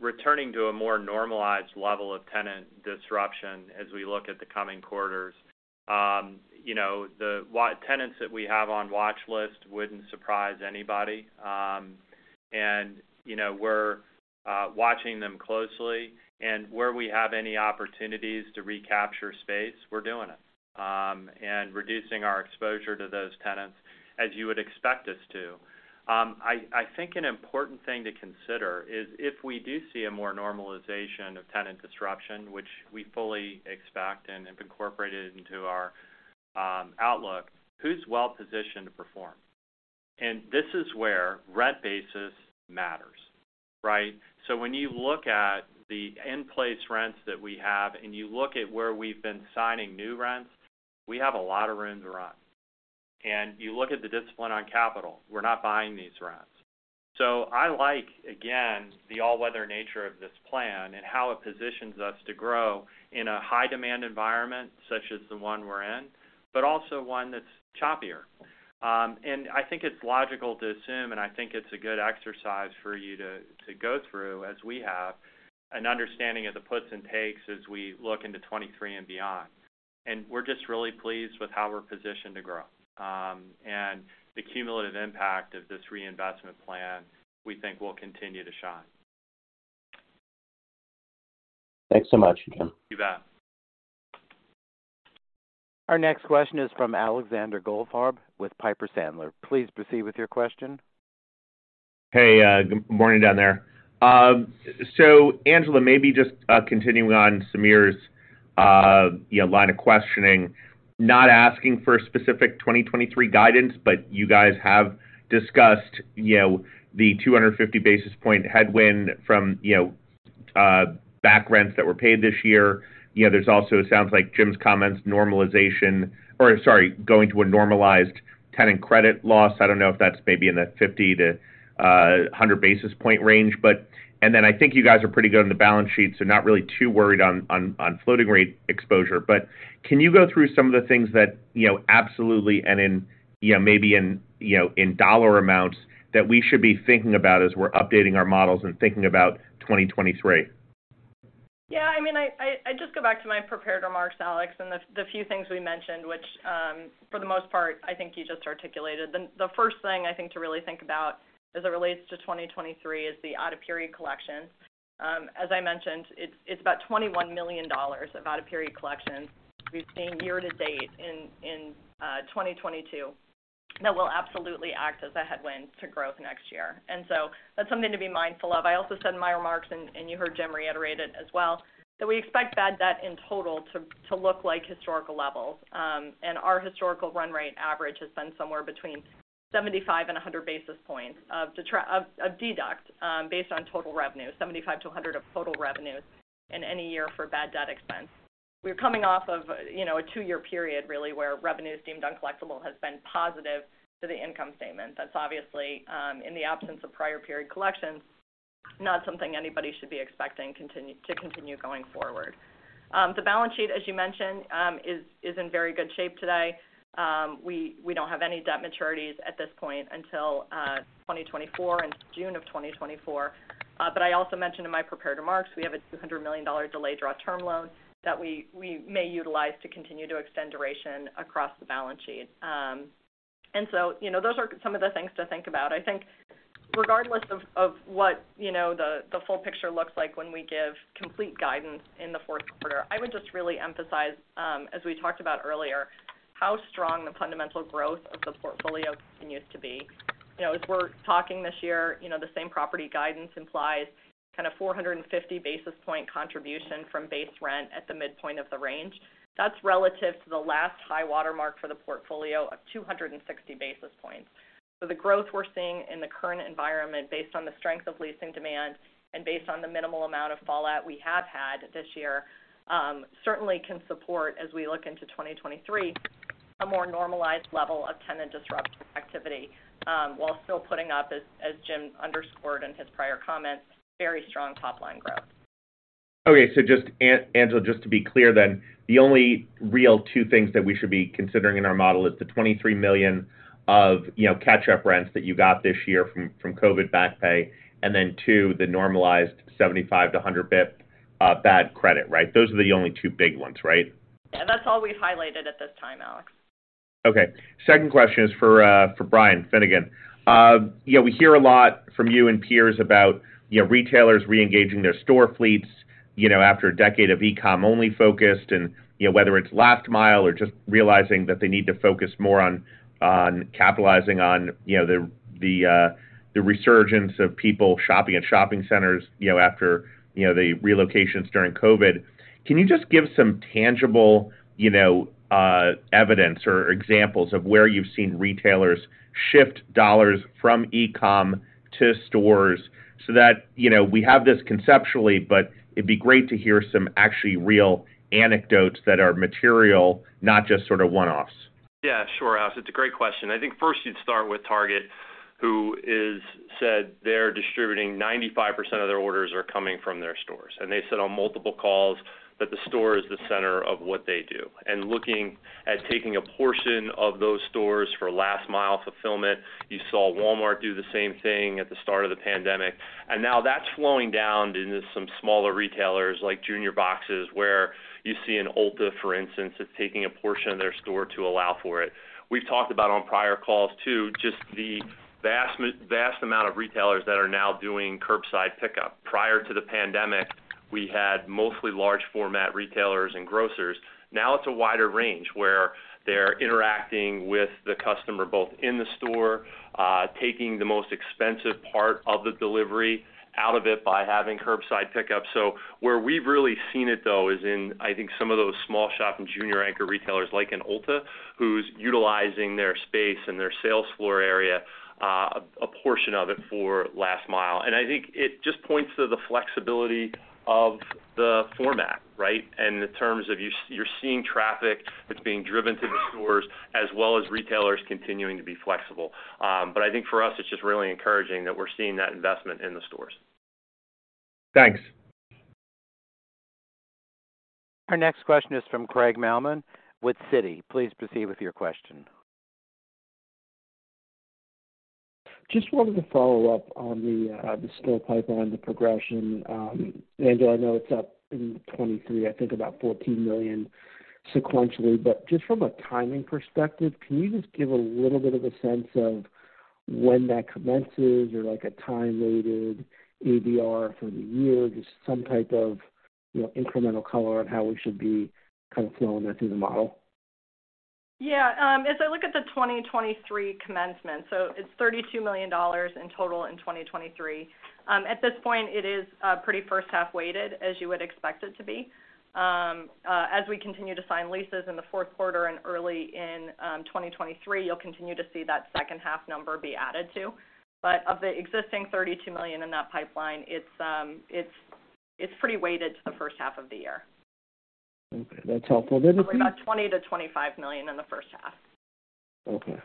returning to a more normalized level of tenant disruption as we look at the coming quarters. You know, the tenants that we have on watch list wouldn't surprise anybody. You know, we're watching them closely. Where we have any opportunities to recapture space, we're doing it and reducing our exposure to those tenants as you would expect us to. I think an important thing to consider is if we do see a more normalization of tenant disruption, which we fully expect and have incorporated into our outlook, who's well positioned to perform? This is where rent basis matters, right? When you look at the in-place rents that we have and you look at where we've been signing new rents, we have a lot of room to run. You look at the discipline on capital, we're not buying these rents. I like, again, the all-weather nature of this plan and how it positions us to grow in a high demand environment such as the one we're in, but also one that's choppier. I think it's logical to assume, and I think it's a good exercise for you to go through as we have, an understanding of the puts and takes as we look into 2023 and beyond. We're just really pleased with how we're positioned to grow. The cumulative impact of this reinvestment plan, we think will continue to shine. Thanks so much, Jim. You bet. Our next question is from Alexander Goldfarb with Piper Sandler. Please proceed with your question. Hey, good morning down there. So Angela, maybe just continuing on Samir's, you know, line of questioning, not asking for specific 2023 guidance, but you guys have discussed, you know, the 250 basis point headwind from, you know, back rents that were paid this year. You know, there's also, it sounds like Jim's comment, normalization or sorry, going to a normalized tenant credit loss. I don't know if that's maybe in the 50 basis point to 100 basis point range, but. I think you guys are pretty good on the balance sheet, so not really too worried on floating rate exposure. Can you go through some of the things that, you know, absolutely and in, you know, maybe in, you know, in dollar amounts that we should be thinking about as we're updating our models and thinking about 2023? Yeah, I mean, I just go back to my prepared remarks, Alex, and the few things we mentioned which, for the most part, I think you just articulated. The first thing I think to really think about as it relates to 2023 is the out-of-period collection. As I mentioned, it's about $21 million of out-of-period collection we've seen year to date in 2022 that will absolutely act as a headwind to growth next year. That's something to be mindful of. I also said in my remarks, and you heard Jim reiterate it as well, that we expect bad debt in total to look like historical levels. Our historical run rate average has been somewhere between 75 basis point and 100 basis points of total revenues in any year for bad debt expense. We're coming off of, you know, a two-year period really, where revenues deemed uncollectible has been positive to the income statement. That's obviously in the absence of prior period collections, not something anybody should be expecting to continue going forward. The balance sheet, as you mentioned, is in very good shape today. We don't have any debt maturities at this point until 2024, in June of 2024. I also mentioned in my prepared remarks, we have a $200 million delayed draw term loan that we may utilize to continue to extend duration across the balance sheet. You know, those are some of the things to think about. I think regardless of what, you know, the full picture looks like when we give complete guidance in the fourth quarter, I would just really emphasize, as we talked about earlier, how strong the fundamental growth of the portfolio continues to be. You know, as we're talking this year, you know, the same property guidance implies kind of 450 basis point contribution from base rent at the midpoint of the range. That's relative to the last high water mark for the portfolio of 260 basis points. The growth we're seeing in the current environment based on the strength of leasing demand and based on the minimal amount of fallout we have had this year, certainly can support as we look into 2023, a more normalized level of tenant disruptive activity, while still putting up as Jim underscored in his prior comments, very strong top-line growth. Okay. Just Angela, just to be clear then, the only real two things that we should be considering in our model is the $23 million of, you know, catch-up rents that you got this year from COVID back pay, and then two, the normalized 75 basis points-100 basis points bad debt, right? Those are the only two big ones, right? Yeah. That's all we've highlighted at this time, Alex. Okay. Second question is for Brian Finnegan. You know, we hear a lot from you and peers about retailers reengaging their store fleets, you know, after a decade of e-com only focused and, you know, whether it's last mile or just realizing that they need to focus more on capitalizing on, you know, the resurgence of people shopping at shopping centers, you know, after the relocations during COVID. Can you just give some tangible evidence or examples of where you've seen retailers shift dollars from e-com to stores so that we have this conceptually, but it'd be great to hear some actually real anecdotes that are material, not just sort of one-offs. Yeah, sure, Alex. It's a great question. I think first you'd start with Target, who is said they're distributing 95% of their orders are coming from their stores. They said on multiple calls that the store is the center of what they do. Looking at taking a portion of those stores for last mile fulfillment. You saw Walmart do the same thing at the start of the pandemic. Now that's flowing down into some smaller retailers like junior boxes, where you see an Ulta, for instance, that's taking a portion of their store to allow for it. We've talked about on prior calls too, just the vast amount of retailers that are now doing curbside pickup. Prior to the pandemic, we had mostly large format retailers and grocers. Now it's a wider range where they're interacting with the customer both in the store, taking the most expensive part of the delivery out of it by having curbside pickup. Where we've really seen it though is in, I think some of those small shop and junior anchor retailers like an Ulta who's utilizing their space and their sales floor area, a portion of it for last mile. I think it just points to the flexibility of the format, right? In terms of you're seeing traffic that's being driven to the stores as well as retailers continuing to be flexible. I think for us, it's just really encouraging that we're seeing that investment in the stores. Thanks. Our next question is from Craig Mailman with Citigroup. Please proceed with your question. Just wanted to follow up on the store pipeline, the progression. Angela, I know it's up in 2023, I think about $14 million sequentially, but just from a timing perspective, can you just give a little bit of a sense of when that commences or like a time-weighted ABR for the year, just some type of, you know, incremental color on how we should be kind of flowing that through the model? As I look at the 2023 commencement, it's $32 million in total in 2023. At this point, it is pretty first half weighted, as you would expect it to be. As we continue to sign leases in the fourth quarter and early in 2023, you'll continue to see that second half number be added to. Of the existing $32 million in that pipeline, it's pretty weighted to the first half of the year. Okay, that's helpful. Probably about $20 million-$25 million in the first half. Okay.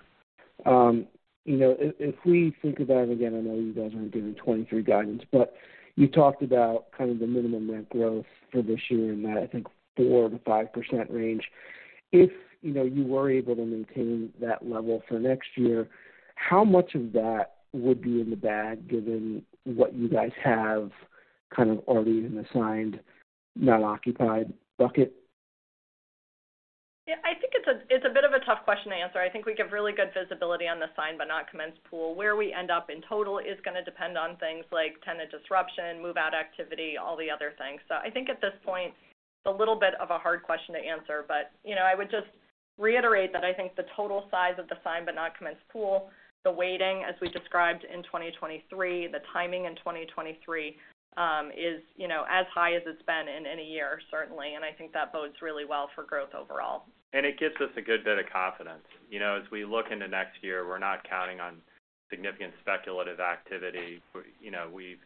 You know, if we think about it again, I know you guys aren't giving 2023 guidance, but you talked about kind of the minimum rent growth for this year in that, I think 4%-5% range. If you know, you were able to maintain that level for next year, how much of that would be in the bag given what you guys have kind of already in the signed not occupied bucket? Yeah, I think it's a bit of a tough question to answer. I think we give really good visibility on the signed but not commenced pool. Where we end up in total is gonna depend on things like tenant disruption, move-out activity, all the other things. So I think at this point, it's a little bit of a hard question to answer, but, you know, I would just reiterate that I think the total size of the signed but not commenced pool, the weighting, as we described in 2023, the timing in 2023, is, you know, as high as it's been in a year, certainly. I think that bodes really well for growth overall. It gives us a good bit of confidence. You know, as we look into next year, we're not counting on significant speculative activity. We, you know, we've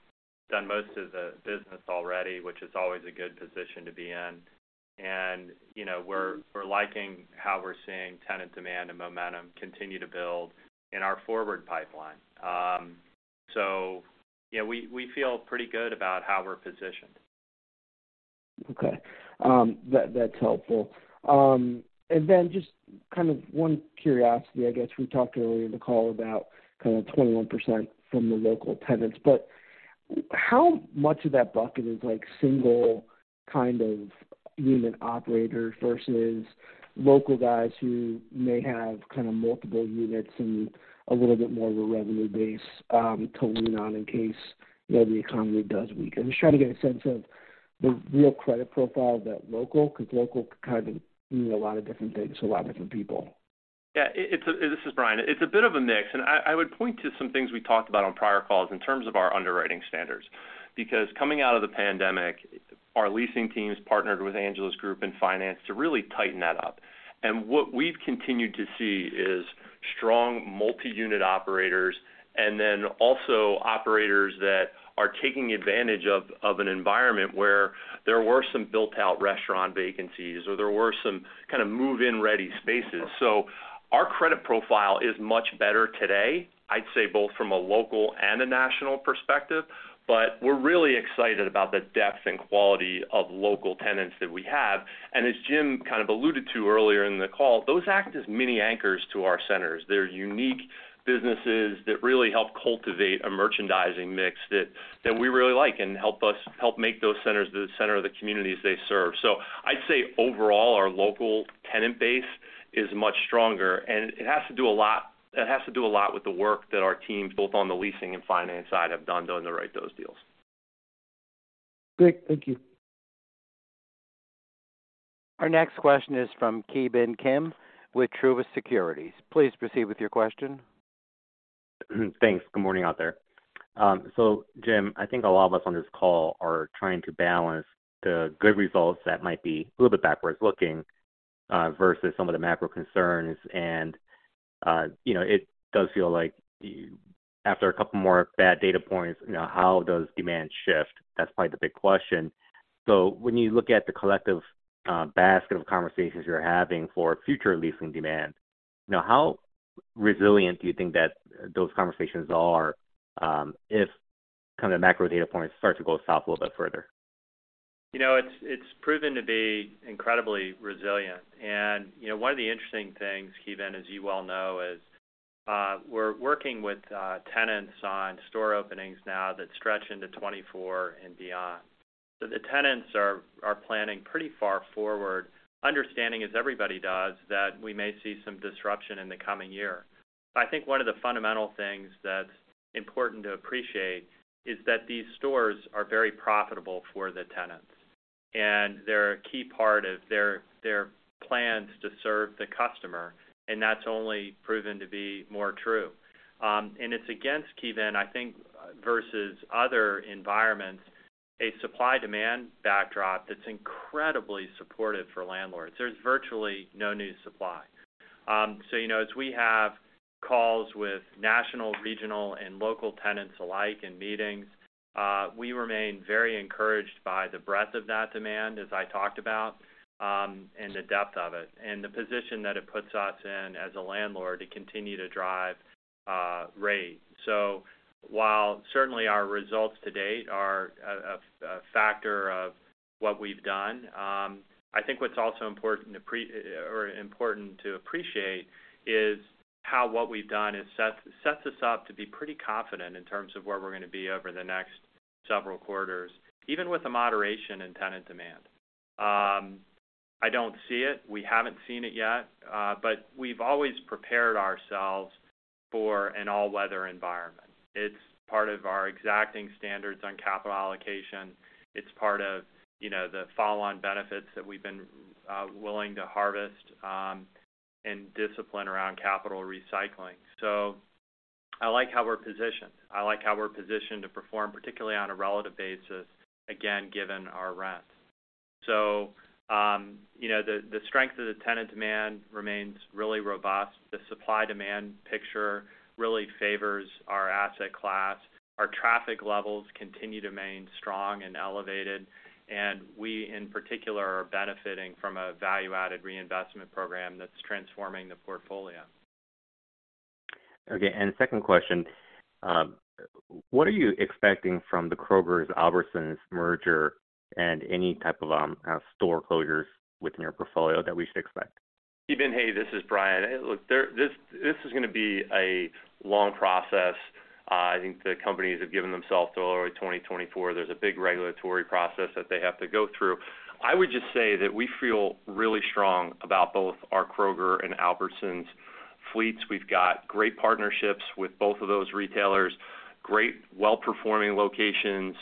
done most of the business already, which is always a good position to be in. You know, we're liking how we're seeing tenant demand and momentum continue to build in our forward pipeline. So yeah, we feel pretty good about how we're positioned. Okay. That's helpful. Just kind of one curiosity, I guess. We talked earlier in the call about kind of 21% from the local tenants, but how much of that bucket is like single kind of unit operators versus local guys who may have kind of multiple units and a little bit more of a revenue base to lean on in case, you know, the economy does weaken. Just trying to get a sense of the real credit profile of that local, 'cause local can kind of mean a lot of different things to a lot of different people. This is Brian. It's a bit of a mix. I would point to some things we talked about on prior calls in terms of our underwriting standards. Because coming out of the pandemic, our leasing teams partnered with Angela's group in finance to really tighten that up. What we've continued to see is strong multi-unit operators, and then also operators that are taking advantage of an environment where there were some built-out restaurant vacancies, or there were some kind of move-in-ready spaces. Our credit profile is much better today, I'd say both from a local and a national perspective, but we're really excited about the depth and quality of local tenants that we have. As Jim kind of alluded to earlier in the call, those act as mini anchors to our centers. They're unique businesses that really help cultivate a merchandising mix that we really like and help us make those centers the center of the communities they serve. I'd say overall, our local tenant base is much stronger, and it has to do a lot with the work that our teams, both on the leasing and finance side, have done to underwrite those deals. Great. Thank you. Our next question is from Kee-Bin Kim with Truist Securities. Please proceed with your question. Thanks. Good morning out there. Jim, I think a lot of us on this call are trying to balance the good results that might be a little bit backward-looking versus some of the macro concerns. You know, it does feel like after a couple more bad data points, you know, how does demand shift? That's probably the big question. When you look at the collective basket of conversations you're having for future leasing demand, you know, how resilient do you think those conversations are if kind of the macro data points start to go south a little bit further? You know, it's proven to be incredibly resilient. You know, one of the interesting things, Ki Bin, as you well know, is we're working with tenants on store openings now that stretch into 2024 and beyond. The tenants are planning pretty far forward, understanding, as everybody does, that we may see some disruption in the coming year. I think one of the fundamental things that's important to appreciate is that these stores are very profitable for the tenants, and they're a key part of their plans to serve the customer, and that's only proven to be more true. It's against, Ki Bin, I think versus other environments, a supply-demand backdrop that's incredibly supportive for landlords. There's virtually no new supply. You know, as we have calls with national, regional, and local tenants alike in meetings, we remain very encouraged by the breadth of that demand, as I talked about, and the depth of it, and the position that it puts us in as a landlord to continue to drive rate. While certainly our results to date are a factor of what we've done, I think what's also important to appreciate is how what we've done sets us up to be pretty confident in terms of where we're gonna be over the next several quarters, even with the moderation in tenant demand. I don't see it. We haven't seen it yet, but we've always prepared ourselves for an all-weather environment. It's part of our exacting standards on capital allocation. It's part of, you know, the follow-on benefits that we've been willing to harvest, and discipline around capital recycling. I like how we're positioned. I like how we're positioned to perform, particularly on a relative basis, again, given our rent. You know, the strength of the tenant demand remains really robust. The supply-demand picture really favors our asset class. Our traffic levels continue to remain strong and elevated, and we, in particular, are benefiting from a value-added reinvestment program that's transforming the portfolio. Okay. Second question, what are you expecting from the Kroger, Albertsons merger and any type of store closures within your portfolio that we should expect? Stephen, hey, this is Brian. Hey, look, this is gonna be a long process. I think the companies have given themselves till early 2024. There's a big regulatory process that they have to go through. I would just say that we feel really strong about both our Kroger and Albertsons fleets. We've got great partnerships with both of those retailers, great well-performing locations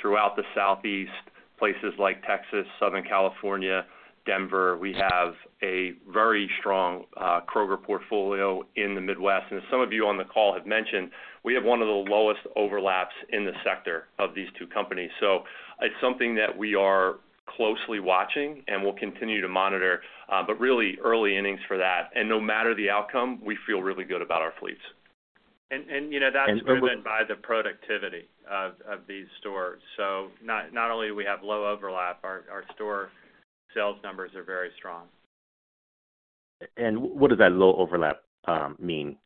throughout the Southeast, places like Texas, Southern California, Denver. We have a very strong Kroger portfolio in the Midwest. As some of you on the call have mentioned, we have one of the lowest overlaps in the sector of these two companies. It's something that we are closely watching and will continue to monitor, but really early innings for that. No matter the outcome, we feel really good about our fleets. You know, that's driven by the productivity of these stores. Not only do we have low overlap, our store sales numbers are very strong. What does that low overlap mean?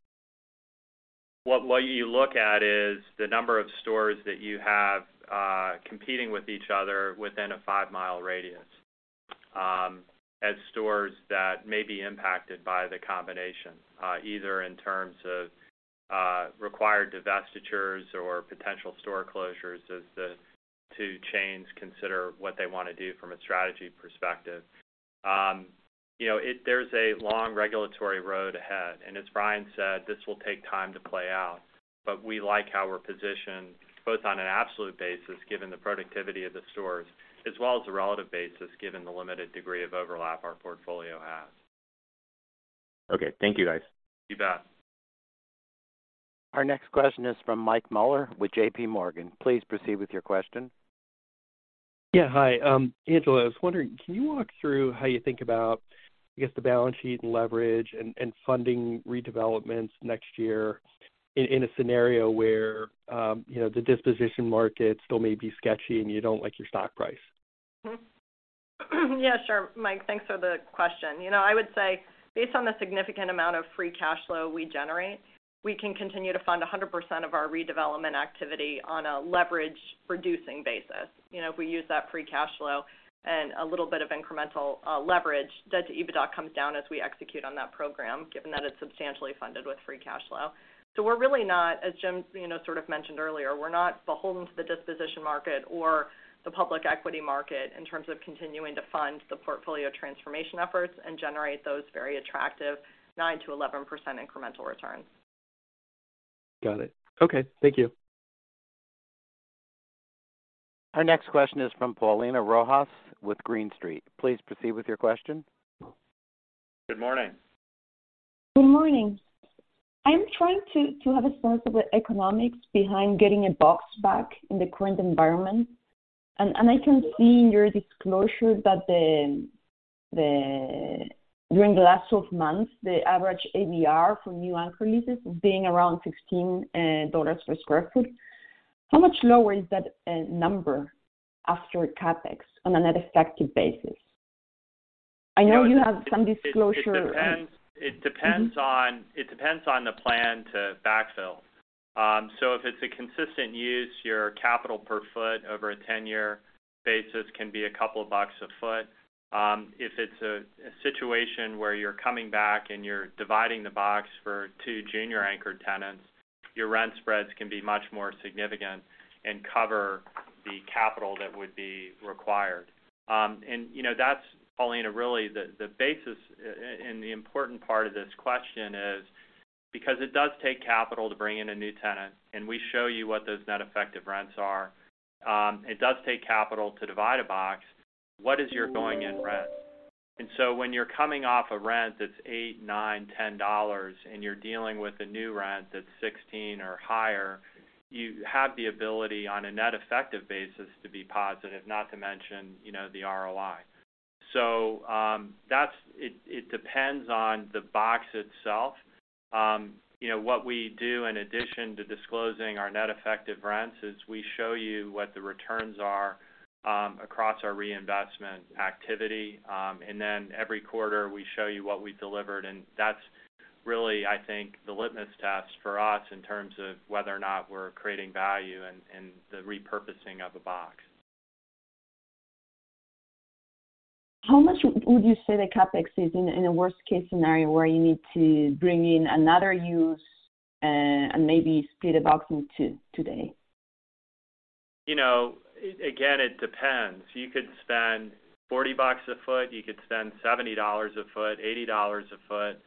What you look at is the number of stores that you have competing with each other within a five-mile radius, as stores that may be impacted by the combination, either in terms of required divestitures or potential store closures as the two chains consider what they wanna do from a strategy perspective. You know, there's a long regulatory road ahead, and as Brian said, this will take time to play out. We like how we're positioned both on an absolute basis, given the productivity of the stores, as well as a relative basis, given the limited degree of overlap our portfolio has. Okay. Thank you guys. You bet. Our next question is from Michael Mueller with JPMorgan Chase. Please proceed with your question. Yeah, hi. Angela, I was wondering, can you walk through how you think about, I guess, the balance sheet and leverage and funding redevelopments next year in a scenario where, you know, the disposition market still may be sketchy and you don't like your stock price? Yeah, sure. Mike, thanks for the question. You know, I would say based on the significant amount of free cash flow we generate, we can continue to fund 100% of our redevelopment activity on a leverage reducing basis. You know, if we use that free cash flow and a little bit of incremental leverage, debt to EBITDA comes down as we execute on that program, given that it's substantially funded with free cash flow. We're really not, as Jim, you know, sort of mentioned earlier, we're not beholden to the disposition market or the public equity market in terms of continuing to fund the portfolio transformation efforts and generate those very attractive 9%-11% incremental returns. Got it. Okay. Thank you. Our next question is from Paulina Rojas-Schmidt with Green Street. Please proceed with your question. Good morning. Good morning. I'm trying to have a sense of the economics behind getting a box back in the current environment. I can see in your disclosure that during the last 12-months, the average ABR for new anchor leases being around $16 per sq ft. How much lower is that number after CapEx on a net effective basis? I know you have some disclosure. It depends on the plan to backfill. If it's a consistent use, your capital per foot over a 10-year basis can be a couple of bucks a foot. If it's a situation where you're coming back and you're dividing the box for 2 junior anchor tenants, your rent spreads can be much more significant and cover the capital that would be required. That's Paulina, really the basis and the important part of this question is because it does take capital to bring in a new tenant, and we show you what those net effective rents are, it does take capital to divide a box. What is your going-in rent? When you're coming off a rent that's $8, $9, $10 and you're dealing with a new rent that's $16 or higher, you have the ability on a net effective basis to be positive, not to mention, you know, the ROI. It depends on the box itself. You know, what we do in addition to disclosing our net effective rents is we show you what the returns are across our reinvestment activity. Every quarter, we show you what we delivered. That's really, I think, the litmus test for us in terms of whether or not we're creating value in the repurposing of a box. How much would you say the CapEx is in a worst case scenario where you need to bring in another use, and maybe split a box in two today? You know, again, it depends. You could spend $40 a foot, you could spend $70 a foot, $80 a foot,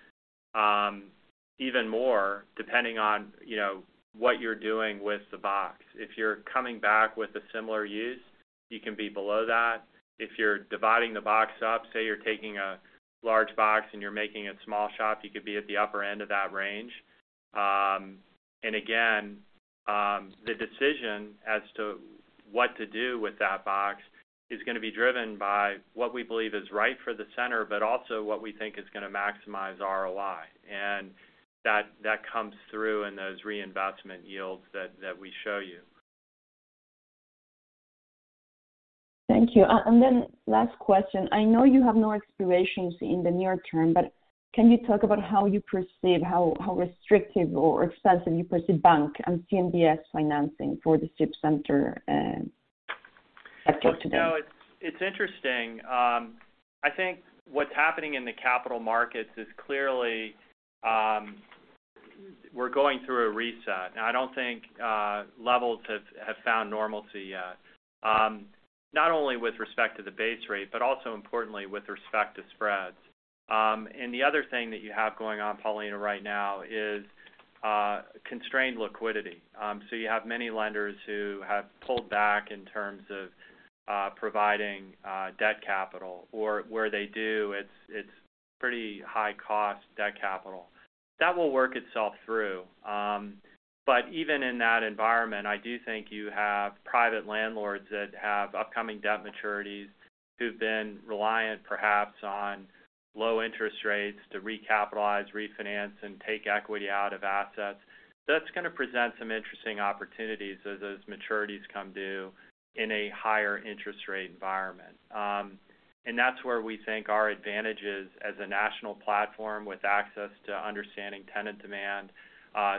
even more, depending on, you know, what you're doing with the box. If you're coming back with a similar use, you can be below that. If you're dividing the box up, say you're taking a large box and you're making it small shop, you could be at the upper end of that range. The decision as to what to do with that box is gonna be driven by what we believe is right for the center, but also what we think is gonna maximize ROI. That comes through in those reinvestment yields that we show you. Thank you. Last question. I know you have no expirations in the near term, but can you talk about how you perceive how restrictive or expensive you perceive bank and CMBS financing for the strip center, access to them? Look, you know, it's interesting. I think what's happening in the capital markets is clearly we're going through a reset. I don't think levels have found normalcy yet, not only with respect to the base rate, but also importantly with respect to spreads. The other thing that you have going on, Paulina, right now is constrained liquidity. You have many lenders who have pulled back in terms of providing debt capital, or where they do it's pretty high cost debt capital. That will work itself through. Even in that environment, I do think you have private landlords that have upcoming debt maturities who've been reliant perhaps on low interest rates to recapitalize, refinance, and take equity out of assets. That's gonna present some interesting opportunities as those maturities come due in a higher interest rate environment. That's where we think our advantages as a national platform with access to understanding tenant demand,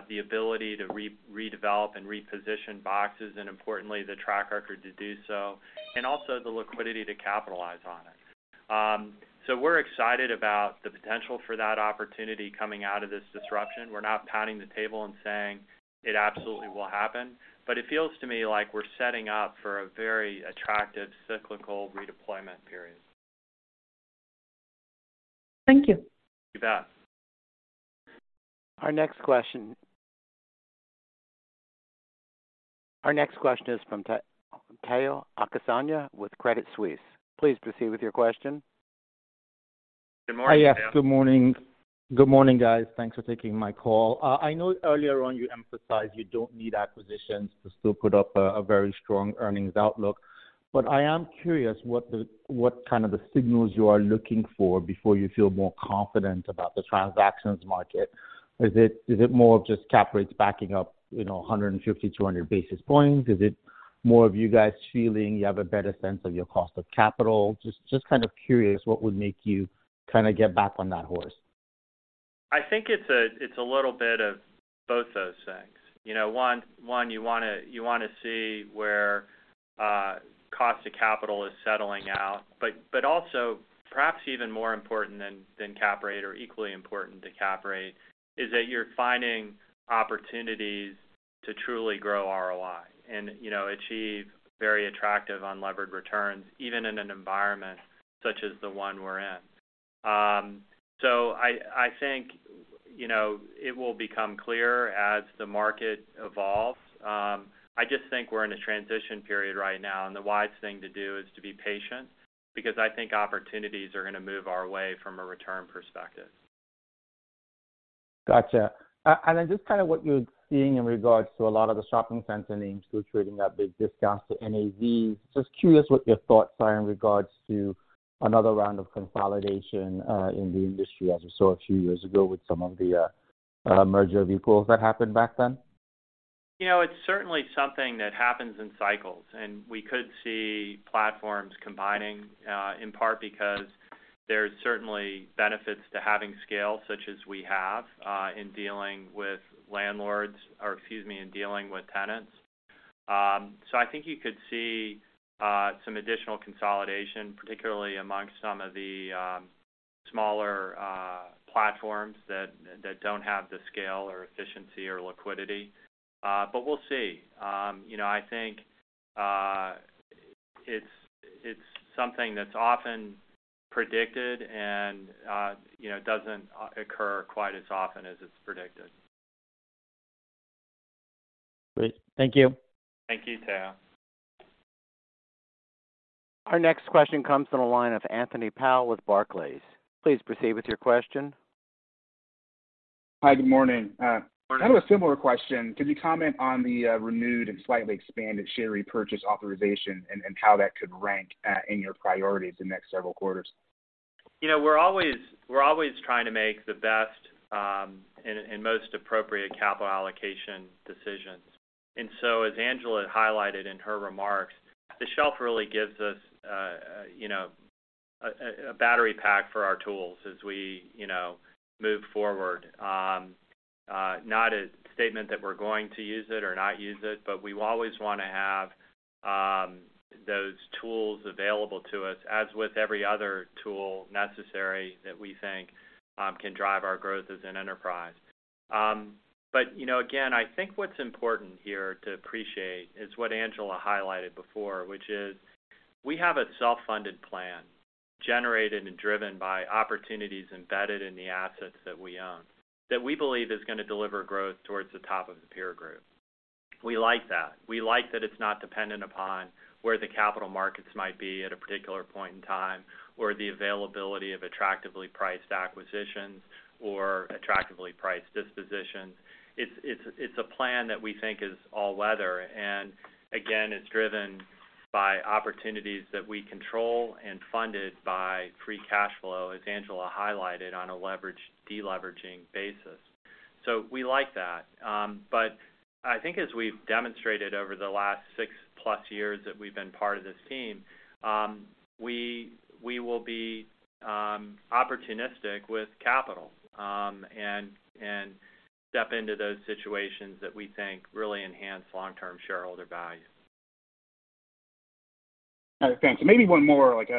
the ability to redevelop and reposition boxes, and importantly, the track record to do so, and also the liquidity to capitalize on it. We're excited about the potential for that opportunity coming out of this disruption. We're not pounding the table and saying it absolutely will happen, but it feels to me like we're setting up for a very attractive cyclical redeployment period. Thank you. You bet. Our next question is from Tayo Okusanya with Credit Suisse. Please proceed with your question. Good morning, Tayo. Hi. Yes, good morning. Good morning, guys. Thanks for taking my call. I know earlier on you emphasized you don't need acquisitions to still put up a very strong earnings outlook. But I am curious what kind of signals you are looking for before you feel more confident about the transactions market. Is it more of just cap rates backing up, you know, 150 basis point-200 basis points? Is it more of you guys feeling you have a better sense of your cost of capital? Just kind of curious what would make you kind of get back on that horse. I think it's a little bit of both those things. You know, one, you wanna see where cost to capital is settling out. Also perhaps even more important than cap rate or equally important to cap rate is that you're finding opportunities to truly grow ROI and, you know, achieve very attractive unlevered returns even in an environment such as the one we're in. I think, you know, it will become clearer as the market evolves. I just think we're in a transition period right now, and the wise thing to do is to be patient because I think opportunities are gonna move our way from a return perspective. Gotcha. Just kind of what you're seeing in regards to a lot of the shopping center names who are trading at big discounts to NAV. Just curious what your thoughts are in regards to another round of consolidation in the industry as we saw a few years ago with some of the merger vehicles that happened back then. You know, it's certainly something that happens in cycles, and we could see platforms combining, in part because there's certainly benefits to having scale such as we have, in dealing with landlords or, excuse me, in dealing with tenants. I think you could see some additional consolidation, particularly amongst some of the smaller platforms that don't have the scale or efficiency or liquidity. We'll see. You know, I think it's something that's often predicted and, you know, doesn't occur quite as often as it's predicted. Great. Thank you. Thank you, Tayo. Our next question comes from the line of Anthony Powell with Barclays. Please proceed with your question. Hi. Good morning. Good morning. Kind of a similar question. Could you comment on the renewed and slightly expanded share repurchase authorization and how that could rank in your priorities the next several quarters? You know, we're always trying to make the best and most appropriate capital allocation decisions. As Angela highlighted in her remarks, the shelf really gives us a battery pack for our tools as we move forward. Not a statement that we're going to use it or not use it, but we always wanna have those tools available to us, as with every other tool necessary that we think can drive our growth as an enterprise. You know, again, I think what's important here to appreciate is what Angela highlighted before, which is we have a self-funded plan generated and driven by opportunities embedded in the assets that we own, that we believe is gonna deliver growth towards the top of the peer group. We like that. We like that it's not dependent upon where the capital markets might be at a particular point in time, or the availability of attractively priced acquisitions or attractively priced dispositions. It's a plan that we think is all weather and again, it's driven by opportunities that we control and funded by free cash flow, as Angela highlighted, on a deleveraging basis. We like that. But I think as we've demonstrated over the last six-plus years that we've been part of this team, we will be opportunistic with capital, and step into those situations that we think really enhance long-term shareholder value. All right, thanks. Maybe one more. Like,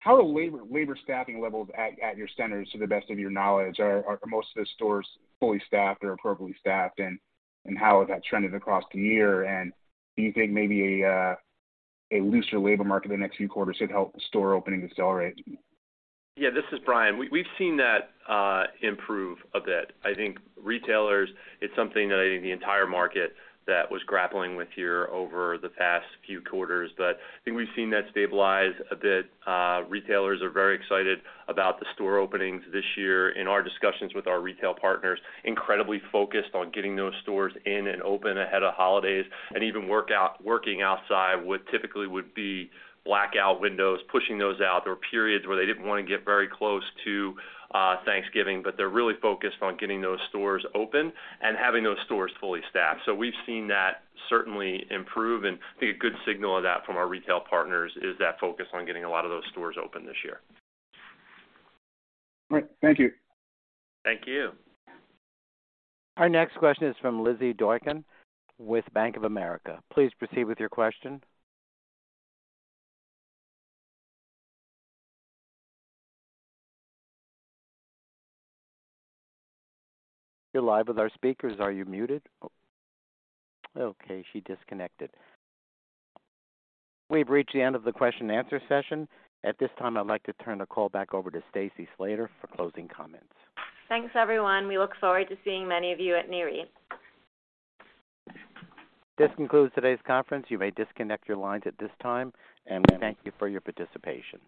how are labor staffing levels at your centers to the best of your knowledge? Are most of the stores fully staffed or appropriately staffed? How has that trended across the year? Do you think maybe a looser labor market the next few quarters should help the store opening accelerate? Yeah, this is Brian. We've seen that improve a bit. I think retailers, it's something that I think the entire market that was grappling with here over the past few quarters, but I think we've seen that stabilize a bit. Retailers are very excited about the store openings this year. In our discussions with our retail partners, incredibly focused on getting those stores in and open ahead of holidays and even working outside what typically would be blackout windows, pushing those out. There were periods where they didn't want to get very close to Thanksgiving, but they're really focused on getting those stores open and having those stores fully staffed. We've seen that certainly improve. I think a good signal of that from our retail partners is that focus on getting a lot of those stores open this year. All right. Thank you. Thank you. Our next question is from Linda Tsai with Bank of America. Please proceed with your question. You're live with our speakers. Are you muted? Oh. Okay, she disconnected. We've reached the end of the question and answer session. At this time, I'd like to turn the call back over to Stacey Slater for closing comments. Thanks, everyone. We look forward to seeing many of you at Nareit. This concludes today's conference. You may disconnect your lines at this time, and we thank you for your participation.